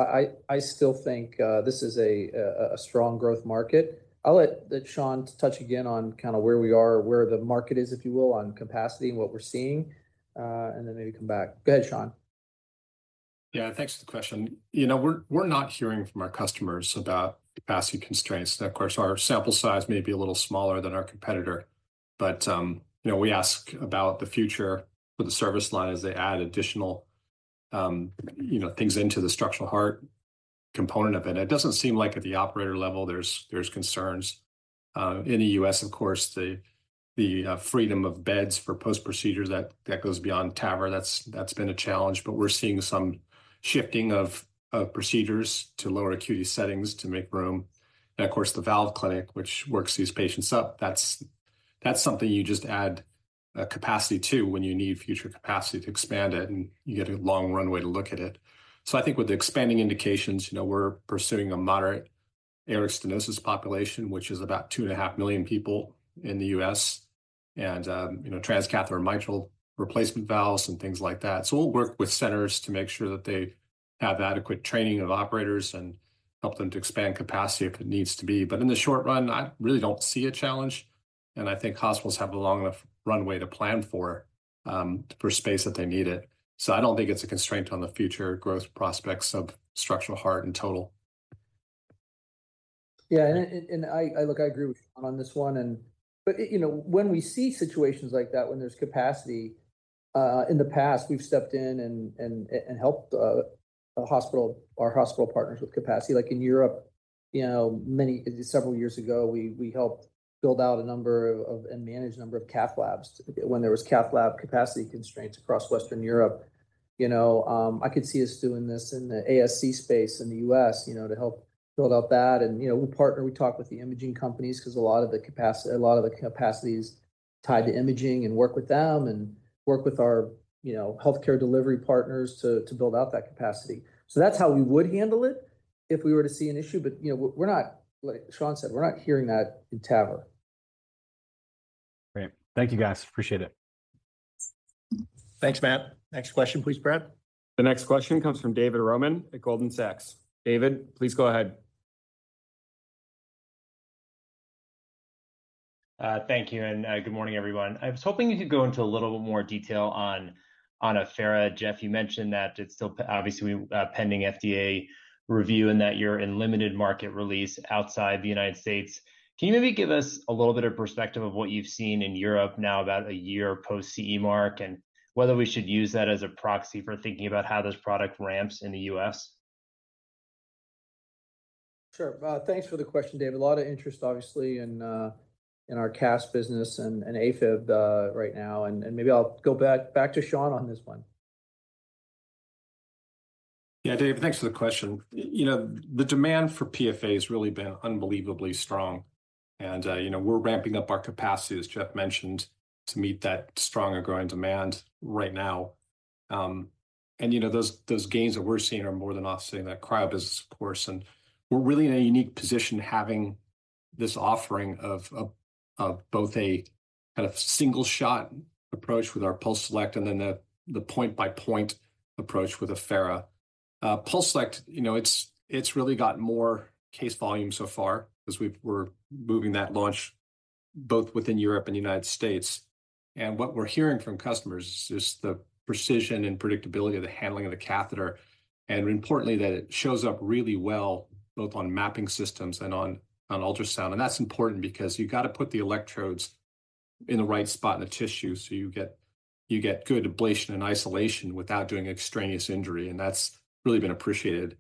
I still think, this is a strong growth market. I'll let Sean touch again on kind of where we are, where the market is, if you will, on capacity and what we're seeing, and then maybe come back. Go ahead, Sean. Yeah, thanks for the question. You know, we're not hearing from our customers about capacity constraints. And, of course, our sample size may be a little smaller than our competitor, but you know, we ask about the future for the service line as they add additional, you know, things into the structural heart component of it. And it doesn't seem like at the operator level there's concerns. In the U.S., of course, the freedom of beds for post-procedures that goes beyond TAVR, that's been a challenge. But we're seeing some shifting of procedures to lower acuity settings to make room. And, of course, the valve clinic, which works these patients up, that's something you just add a capacity to when you need future capacity to expand it, and you get a long runway to look at it. So I think with the expanding indications, you know, we're pursuing a moderate aortic stenosis population, which is about two and a half million people in the U.S., and, you know, transcatheter mitral replacement valves and things like that. So we'll work with centers to make sure that they have adequate training of operators and help them to expand capacity if it needs to be. But in the short run, I really don't see a challenge, and I think hospitals have a long enough runway to plan for, for space that they need it. So I don't think it's a constraint on the future growth prospects of structural heart in total. Yeah, look, I agree with Sean on this one and but you know, when we see situations like that, when there's capacity, in the past, we've stepped in and helped the hospital, our hospital partners with capacity. Like in Europe, you know, several years ago, we helped build out a number of, and manage a number of cath labs when there was cath lab capacity constraints across Western Europe. You know, I could see us doing this in the ASC space in the U.S., you know, to help build out that. And you know, we partner, we talk with the imaging companies, 'cause a lot of the capacity is tied to imaging, and work with them and work with our you know, healthcare delivery partners to build out that capacity. So that's how we would handle it if we were to see an issue. But, you know, we're not... Like Sean said, we're not hearing that in TAVR. Great. Thank you, guys. Appreciate it. Thanks, Matt. Next question, please, Brad. The next question comes from David Roman at Goldman Sachs. David, please go ahead. Thank you, and good morning, everyone. I was hoping you could go into a little bit more detail on Affera. Geoff, you mentioned that it's still obviously pending FDA review, and that you're in limited market release outside the United States. Can you maybe give us a little bit of perspective of what you've seen in Europe now about a year post CE mark, and whether we should use that as a proxy for thinking about how this product ramps in the U.S.? Sure. Thanks for the question, David. A lot of interest, obviously, in our CAS business and AFib right now, and maybe I'll go back to Sean on this one. Yeah, David, thanks for the question. You know, the demand for PFA has really been unbelievably strong, and, you know, we're ramping up our capacity, as Geoff mentioned, to meet that stronger growing demand right now. And, you know, those gains that we're seeing are more than offsetting that cryo business, of course. And we're really in a unique position having this offering of both a kind of single-shot approach with our PulseSelect and then the point-by-point approach with Affera. PulseSelect, you know, it's really got more case volume so far, as we're moving that launch both within Europe and the United States. And what we're hearing from customers is just the precision and predictability of the handling of the catheter, and importantly, that it shows up really well both on mapping systems and on ultrasound. And that's important because you've got to put the electrodes in the right spot in the tissue, so you get good ablation and isolation without doing extraneous injury, and that's really been appreciated.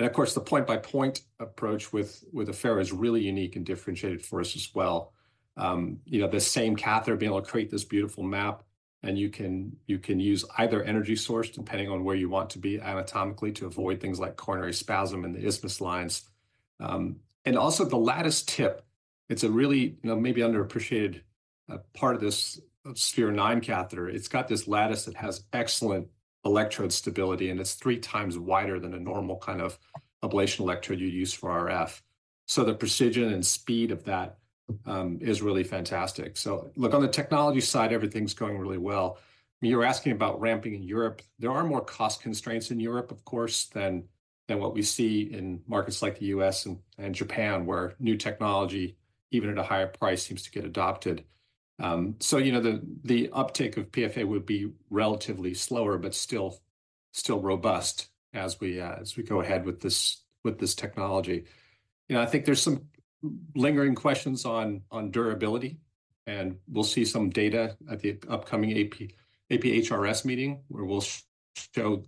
And of course, the point-by-point approach with Affera is really unique and differentiated for us as well. You know, the same catheter being able to create this beautiful map, and you can use either energy source, depending on where you want to be anatomically, to avoid things like coronary spasm and the isthmus lines. And also the lattice tip, it's a really, you know, maybe underappreciated part of this Sphere-9 catheter. It's got this lattice that has excellent electrode stability, and it's three times wider than a normal kind of ablation electrode you'd use for RF. So the precision and speed of that is really fantastic. So look, on the technology side, everything's going really well. You're asking about ramping in Europe. There are more cost constraints in Europe, of course, than what we see in markets like the U.S. and Japan, where new technology, even at a higher price, seems to get adopted. So, you know, the uptick of PFA would be relatively slower, but still robust as we go ahead with this technology. You know, I think there's some lingering questions on durability, and we'll see some data at the upcoming APHRS meeting, where we'll show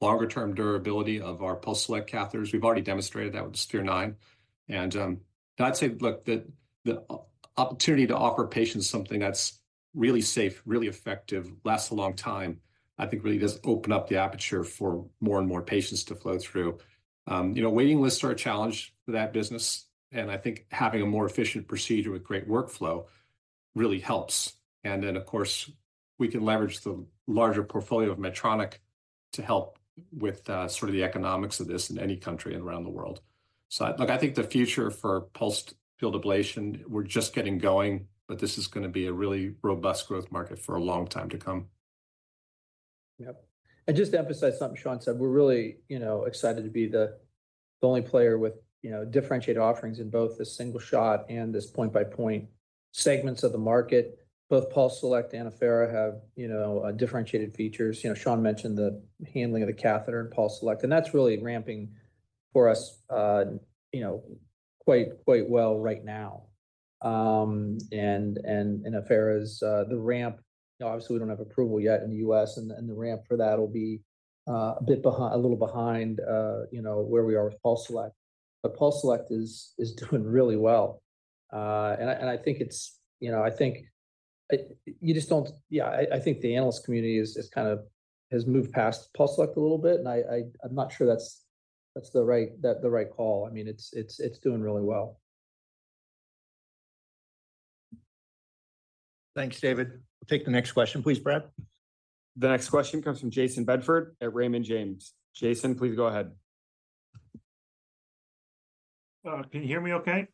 longer-term durability of our PulseSelect catheters. We've already demonstrated that with the Sphere-9. I'd say, look, the opportunity to offer patients something that's really safe, really effective, lasts a long time. I think really does open up the aperture for more and more patients to flow through. You know, waiting lists are a challenge for that business, and I think having a more efficient procedure with great workflow really helps. Of course, we can leverage the larger portfolio of Medtronic to help with sort of the economics of this in any country and around the world. Look, I think the future for pulsed field ablation, we're just getting going, but this is gonna be a really robust growth market for a long time to come. Yep. And just to emphasize something Sean said, we're really, you know, excited to be the only player with, you know, differentiated offerings in both the single shot and this point-by-point segments of the market. Both PulseSelect and Affera have, you know, differentiated features. You know, Sean mentioned the handling of the catheter in PulseSelect, and that's really ramping for us, you know, quite well right now. And in Affera's the ramp, obviously, we don't have approval yet in the U.S., and the ramp for that will be a little behind, you know, where we are with PulseSelect. But PulseSelect is doing really well. And I think it's, you know, I think... You just don't – yeah, I think the analyst community is kind of has moved past PulseSelect a little bit, and I'm not sure that's the right call. I mean, it's doing really well. Thanks, David. We'll take the next question, please, Brad. The next question comes from Jayson Bedford at Raymond James. Jayson, please go ahead. Can you hear me okay?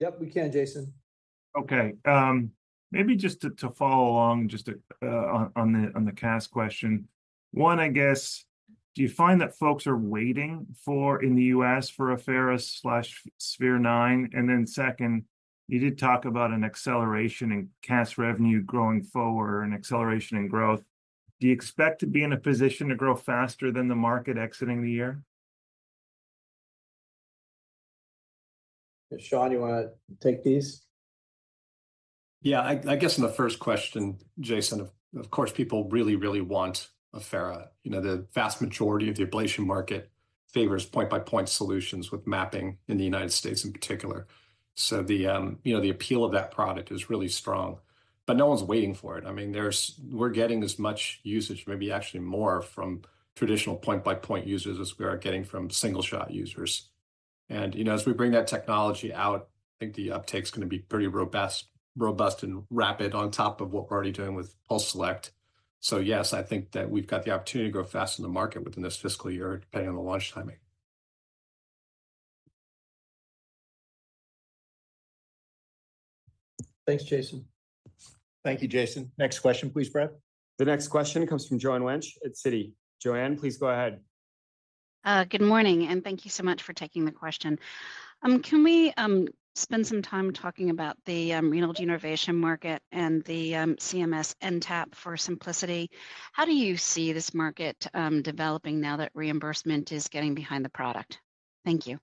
Yep, we can, Jayson. Okay, maybe just to follow along, on the CAS question. One, I guess, do you find that folks are waiting for, in the U.S., for Affera/Sphere-9? And then second, you did talk about an acceleration in CAS revenue growing forward and acceleration in growth. Do you expect to be in a position to grow faster than the market exiting the year? Sean, you want to take these? Yeah, I guess on the first question, Jayson, of course, people really, really want Affera. You know, the vast majority of the ablation market favors point-by-point solutions with mapping in the United States in particular. So you know, the appeal of that product is really strong, but no one's waiting for it. I mean, we're getting as much usage, maybe actually more, from traditional point-by-point users as we are getting from single-shot users. And, you know, as we bring that technology out, I think the uptake's gonna be pretty robust and rapid on top of what we're already doing with PulseSelect. So yes, I think that we've got the opportunity to grow fast in the market within this fiscal year, depending on the launch timing. Thanks, Jayson. Thank you, Jayson. Next question, please, Brad. The next question comes from Joanne Wuensch at Citi. Joanne, please go ahead. Good morning, and thank you so much for taking the question. Can we spend some time talking about the renal denervation market and the CMS NTAP for Symplicity? How do you see this market developing now that reimbursement is getting behind the product? Thank you.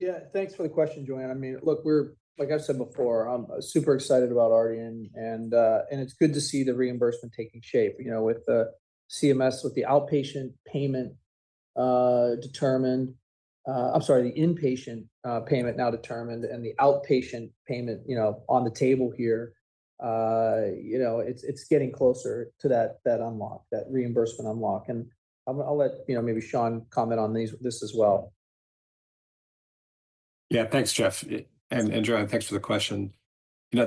Yeah, thanks for the question, Joanne. I mean, look, we're like I've said before, I'm super excited about RDN, and it's good to see the reimbursement taking shape. You know, with the CMS, with the outpatient payment determined. I'm sorry, the inpatient payment now determined and the outpatient payment, you know, on the table here, you know, it's getting closer to that unlock, that reimbursement unlock. And I'll let you know, maybe Sean comment on this as well. Yeah. Thanks, Geoff, and Joanne, thanks for the question. You know,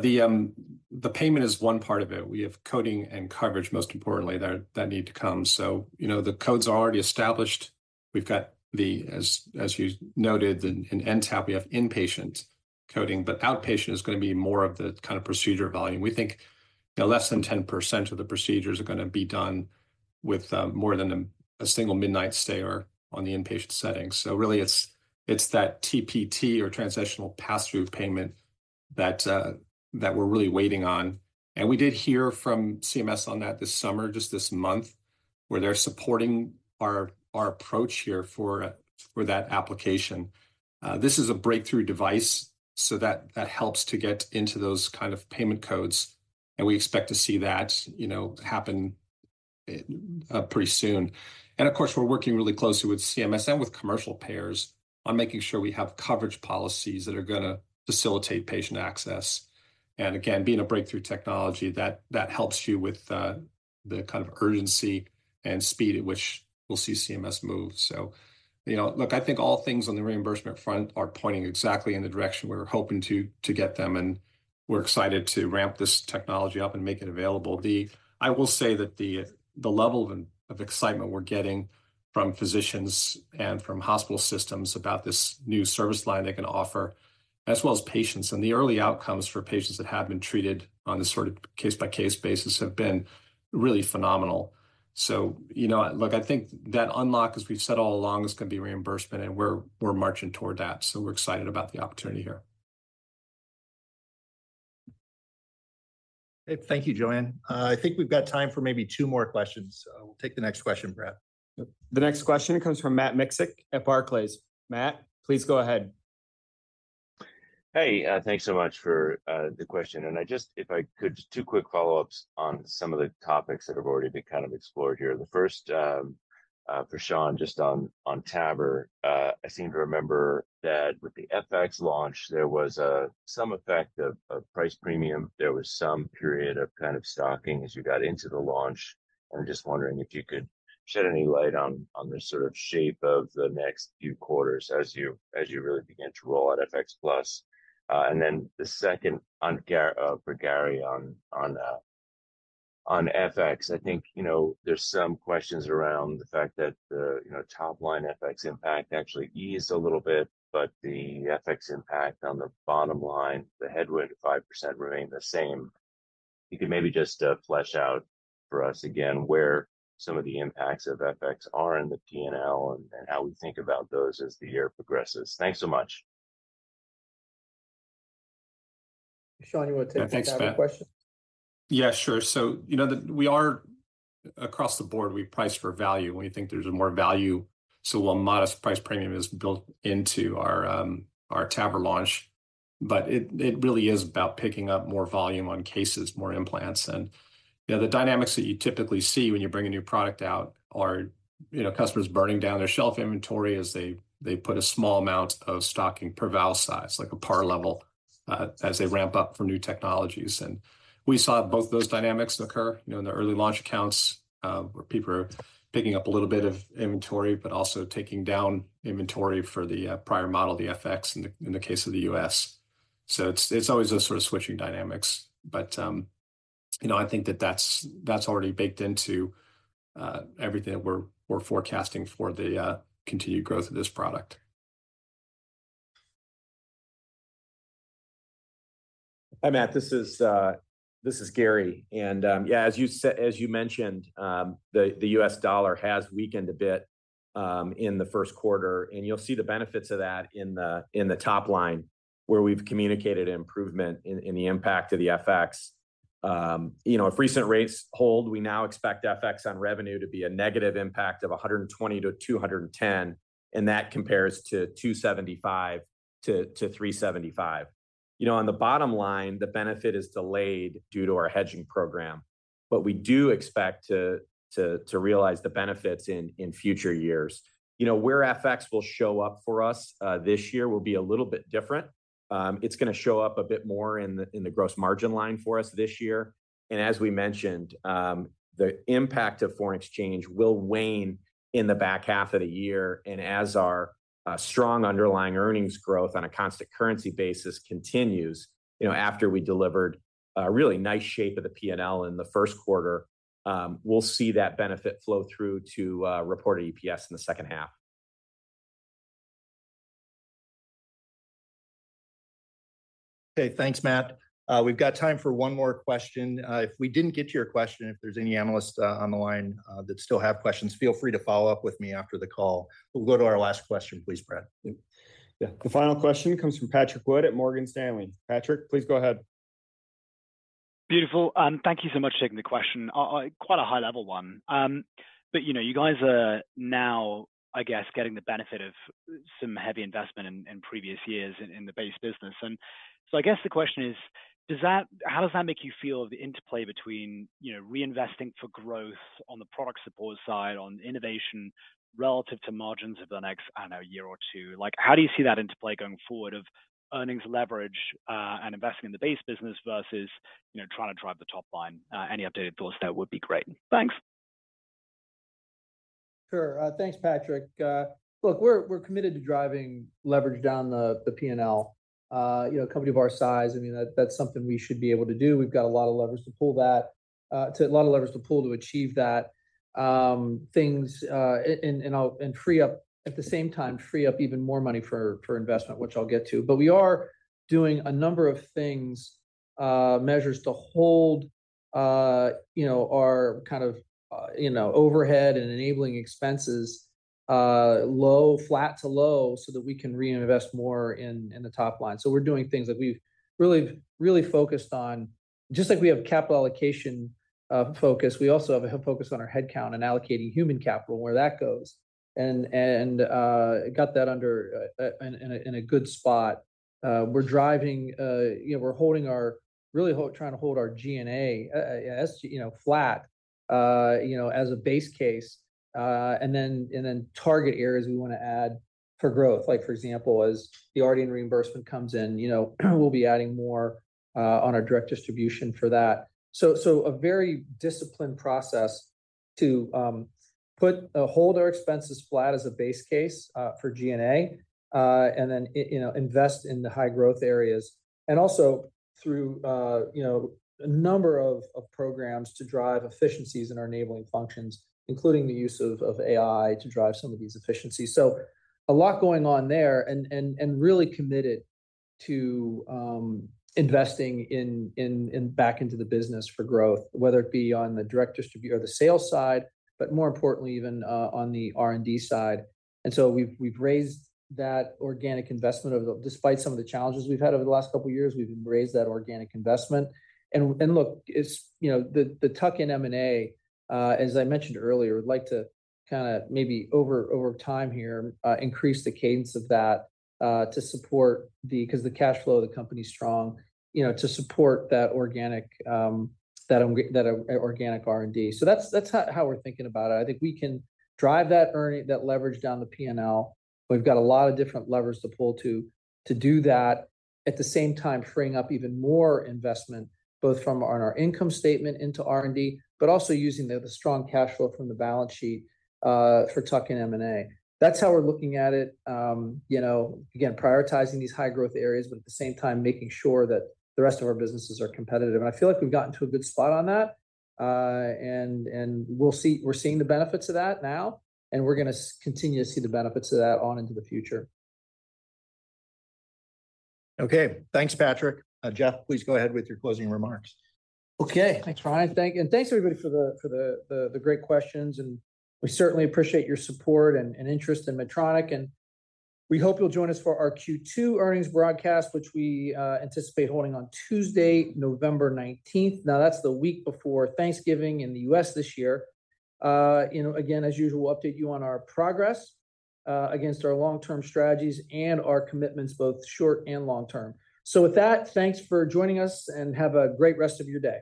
the payment is one part of it. We have coding and coverage, most importantly, that need to come. So, you know, the codes are already established. We've got the, as you noted, in NTAP, we have inpatient coding, but outpatient is gonna be more of the kind of procedure volume. We think, you know, less than 10% of the procedures are gonna be done with more than a single midnight stay or on the inpatient setting. So really, it's that TPT, or transitional pass-through payment, that we're really waiting on. And we did hear from CMS on that this summer, just this month where they're supporting our approach here for that application. This is a breakthrough device, so that helps to get into those kind of payment codes, and we expect to see that, you know, happen pretty soon. And of course, we're working really closely with CMS and with commercial payers on making sure we have coverage policies that are gonna facilitate patient access. And again, being a breakthrough technology, that helps you with the kind of urgency and speed at which we'll see CMS move. So, you know, look, I think all things on the reimbursement front are pointing exactly in the direction we're hoping to get them, and we're excited to ramp this technology up and make it available. I will say that the level of excitement we're getting from physicians and from hospital systems about this new service line they can offer, as well as patients, and the early outcomes for patients that have been treated on this sort of case-by-case basis have been really phenomenal. So, you know, look, I think that unlock, as we've said all along, is gonna be reimbursement, and we're marching toward that. So we're excited about the opportunity here. Thank you, Joanne. I think we've got time for maybe two more questions. We'll take the next question, Brad. The next question comes from Matt Miksic at Barclays. Matt, please go ahead. Hey, thanks so much for the question. And I just, if I could, just two quick follow-ups on some of the topics that have already been kind of explored here. The first, for Sean, just on TAVR. I seem to remember that with the FX launch, there was some effect of price premium. There was some period of kind of stocking as you got into the launch. I'm just wondering if you could shed any light on the sort of shape of the next few quarters as you really begin to roll out FX Plus. And then the second, for Gary, on FX. I think, you know, there's some questions around the fact that the top-line FX impact actually eased a little bit, but the FX impact on the bottom line, the headwind of 5% remained the same. You could maybe just flesh out for us again where some of the impacts of FX are in the PNL and how we think about those as the year progresses. Thanks so much. Sean, you wanna take- Yeah, thanks, Matt.... the first question? Yeah, sure. So, you know, we are across the board, we price for value when we think there's more value. So a modest price premium is built into our TAVR launch, but it really is about picking up more volume on cases, more implants. And, you know, the dynamics that you typically see when you bring a new product out are, you know, customers burning down their shelf inventory as they put a small amount of stocking per valve size, like a par level, as they ramp up for new technologies. And we saw both those dynamics occur, you know, in the early launch accounts, where people are picking up a little bit of inventory, but also taking down inventory for the prior model, the FX, in the case of the U.S.. So it's always those sort of switching dynamics, but you know, I think that that's already baked into everything that we're forecasting for the continued growth of this product. Hi, Matt, this is Gary. And, yeah, as you said, as you mentioned, the U.S. dollar has weakened a bit in the first quarter, and you'll see the benefits of that in the top line, where we've communicated improvement in the impact of the FX. You know, if recent rates hold, we now expect FX on revenue to be a negative impact of 120-210, and that compares to 275-375. You know, on the bottom line, the benefit is delayed due to our hedging program, but we do expect to realize the benefits in future years. You know, where FX will show up for us this year will be a little bit different. It's gonna show up a bit more in the gross margin line for us this year, and as we mentioned, the impact of foreign exchange will wane in the back half of the year, and as our strong underlying earnings growth on a constant currency basis continues, you know, after we delivered a really nice shape of the P&L in the first quarter, we'll see that benefit flow through to reported EPS in the second half. Okay, thanks, Matt. We've got time for one more question. If we didn't get to your question, if there's any analysts on the line that still have questions, feel free to follow up with me after the call. We'll go to our last question, please, Brad. Yeah. The final question comes from Patrick Wood at Morgan Stanley. Patrick, please go ahead. Beautiful. Thank you so much for taking the question. Quite a high-level one. But, you know, you guys are now, I guess, getting the benefit of some heavy investment in previous years in the base business. And so I guess the question is, does that-- how does that make you feel, the interplay between, you know, reinvesting for growth on the product support side, on innovation relative to margins over the next, I don't know, year or two? Like, how do you see that interplay going forward of earnings leverage, and investing in the base business versus, you know, trying to drive the top line? Any updated thoughts there would be great. Thanks. Sure. Thanks, Patrick. Look, we're committed to driving leverage down the PNL. You know, a company of our size, I mean, that's something we should be able to do. We've got a lot of levers to pull to achieve that and free up, at the same time, even more money for investment, which I'll get to. We are doing a number of things, measures to hold you know our kind of overhead and enabling expenses low, flat to low so that we can reinvest more in the top line. We're doing things that we've really, really focused on. Just like we have capital allocation focus, we also have a focus on our headcount and allocating human capital and where that goes, and got that under in a good spot. We're driving, you know, we're really trying to hold our G&A, SG&A, you know, flat, you know, as a base case, and then target areas we wanna add for growth. Like, for example, as the R&D and reimbursement comes in, you know, we'll be adding more on our direct distribution for that. A very disciplined process to hold our expenses flat as a base case for G&A, and then, you know, invest in the high growth areas, and also through, you know, a number of programs to drive efficiencies in our enabling functions, including the use of AI to drive some of these efficiencies. A lot going on there, and really committed to investing back into the business for growth, whether it be on the direct distribute or the sales side, but more importantly, even on the R&D side. And so we've raised that organic investment over... despite some of the challenges we've had over the last couple of years, we've raised that organic investment. Look, you know, the tuck-in M&A, as I mentioned earlier, I'd like to kinda maybe over time here increase the cadence of that to support, because the cash flow of the company's strong, you know, to support that organic R&D. So that's how we're thinking about it. I think we can drive that earnings leverage down the P&L. We've got a lot of different levers to pull to do that, at the same time, freeing up even more investment, both from our income statement into R&D, but also using the strong cash flow from the balance sheet for tuck-in M&A. That's how we're looking at it. you know, again, prioritizing these high growth areas, but at the same time making sure that the rest of our businesses are competitive. And I feel like we've gotten to a good spot on that. And we'll see... We're seeing the benefits of that now, and we're gonna continue to see the benefits of that on into the future. Okay. Thanks, Patrick. Geoff, please go ahead with your closing remarks. Okay. Thanks, Ryan. Thank you, and thanks, everybody, for the great questions, and we certainly appreciate your support and interest in Medtronic, and we hope you'll join us for our Q2 earnings broadcast, which we anticipate holding on Tuesday, November nineteenth. Now, that's the week before Thanksgiving in the U.S. this year. You know, again, as usual, we'll update you on our progress against our long-term strategies and our commitments, both short and long term. So with that, thanks for joining us, and have a great rest of your day.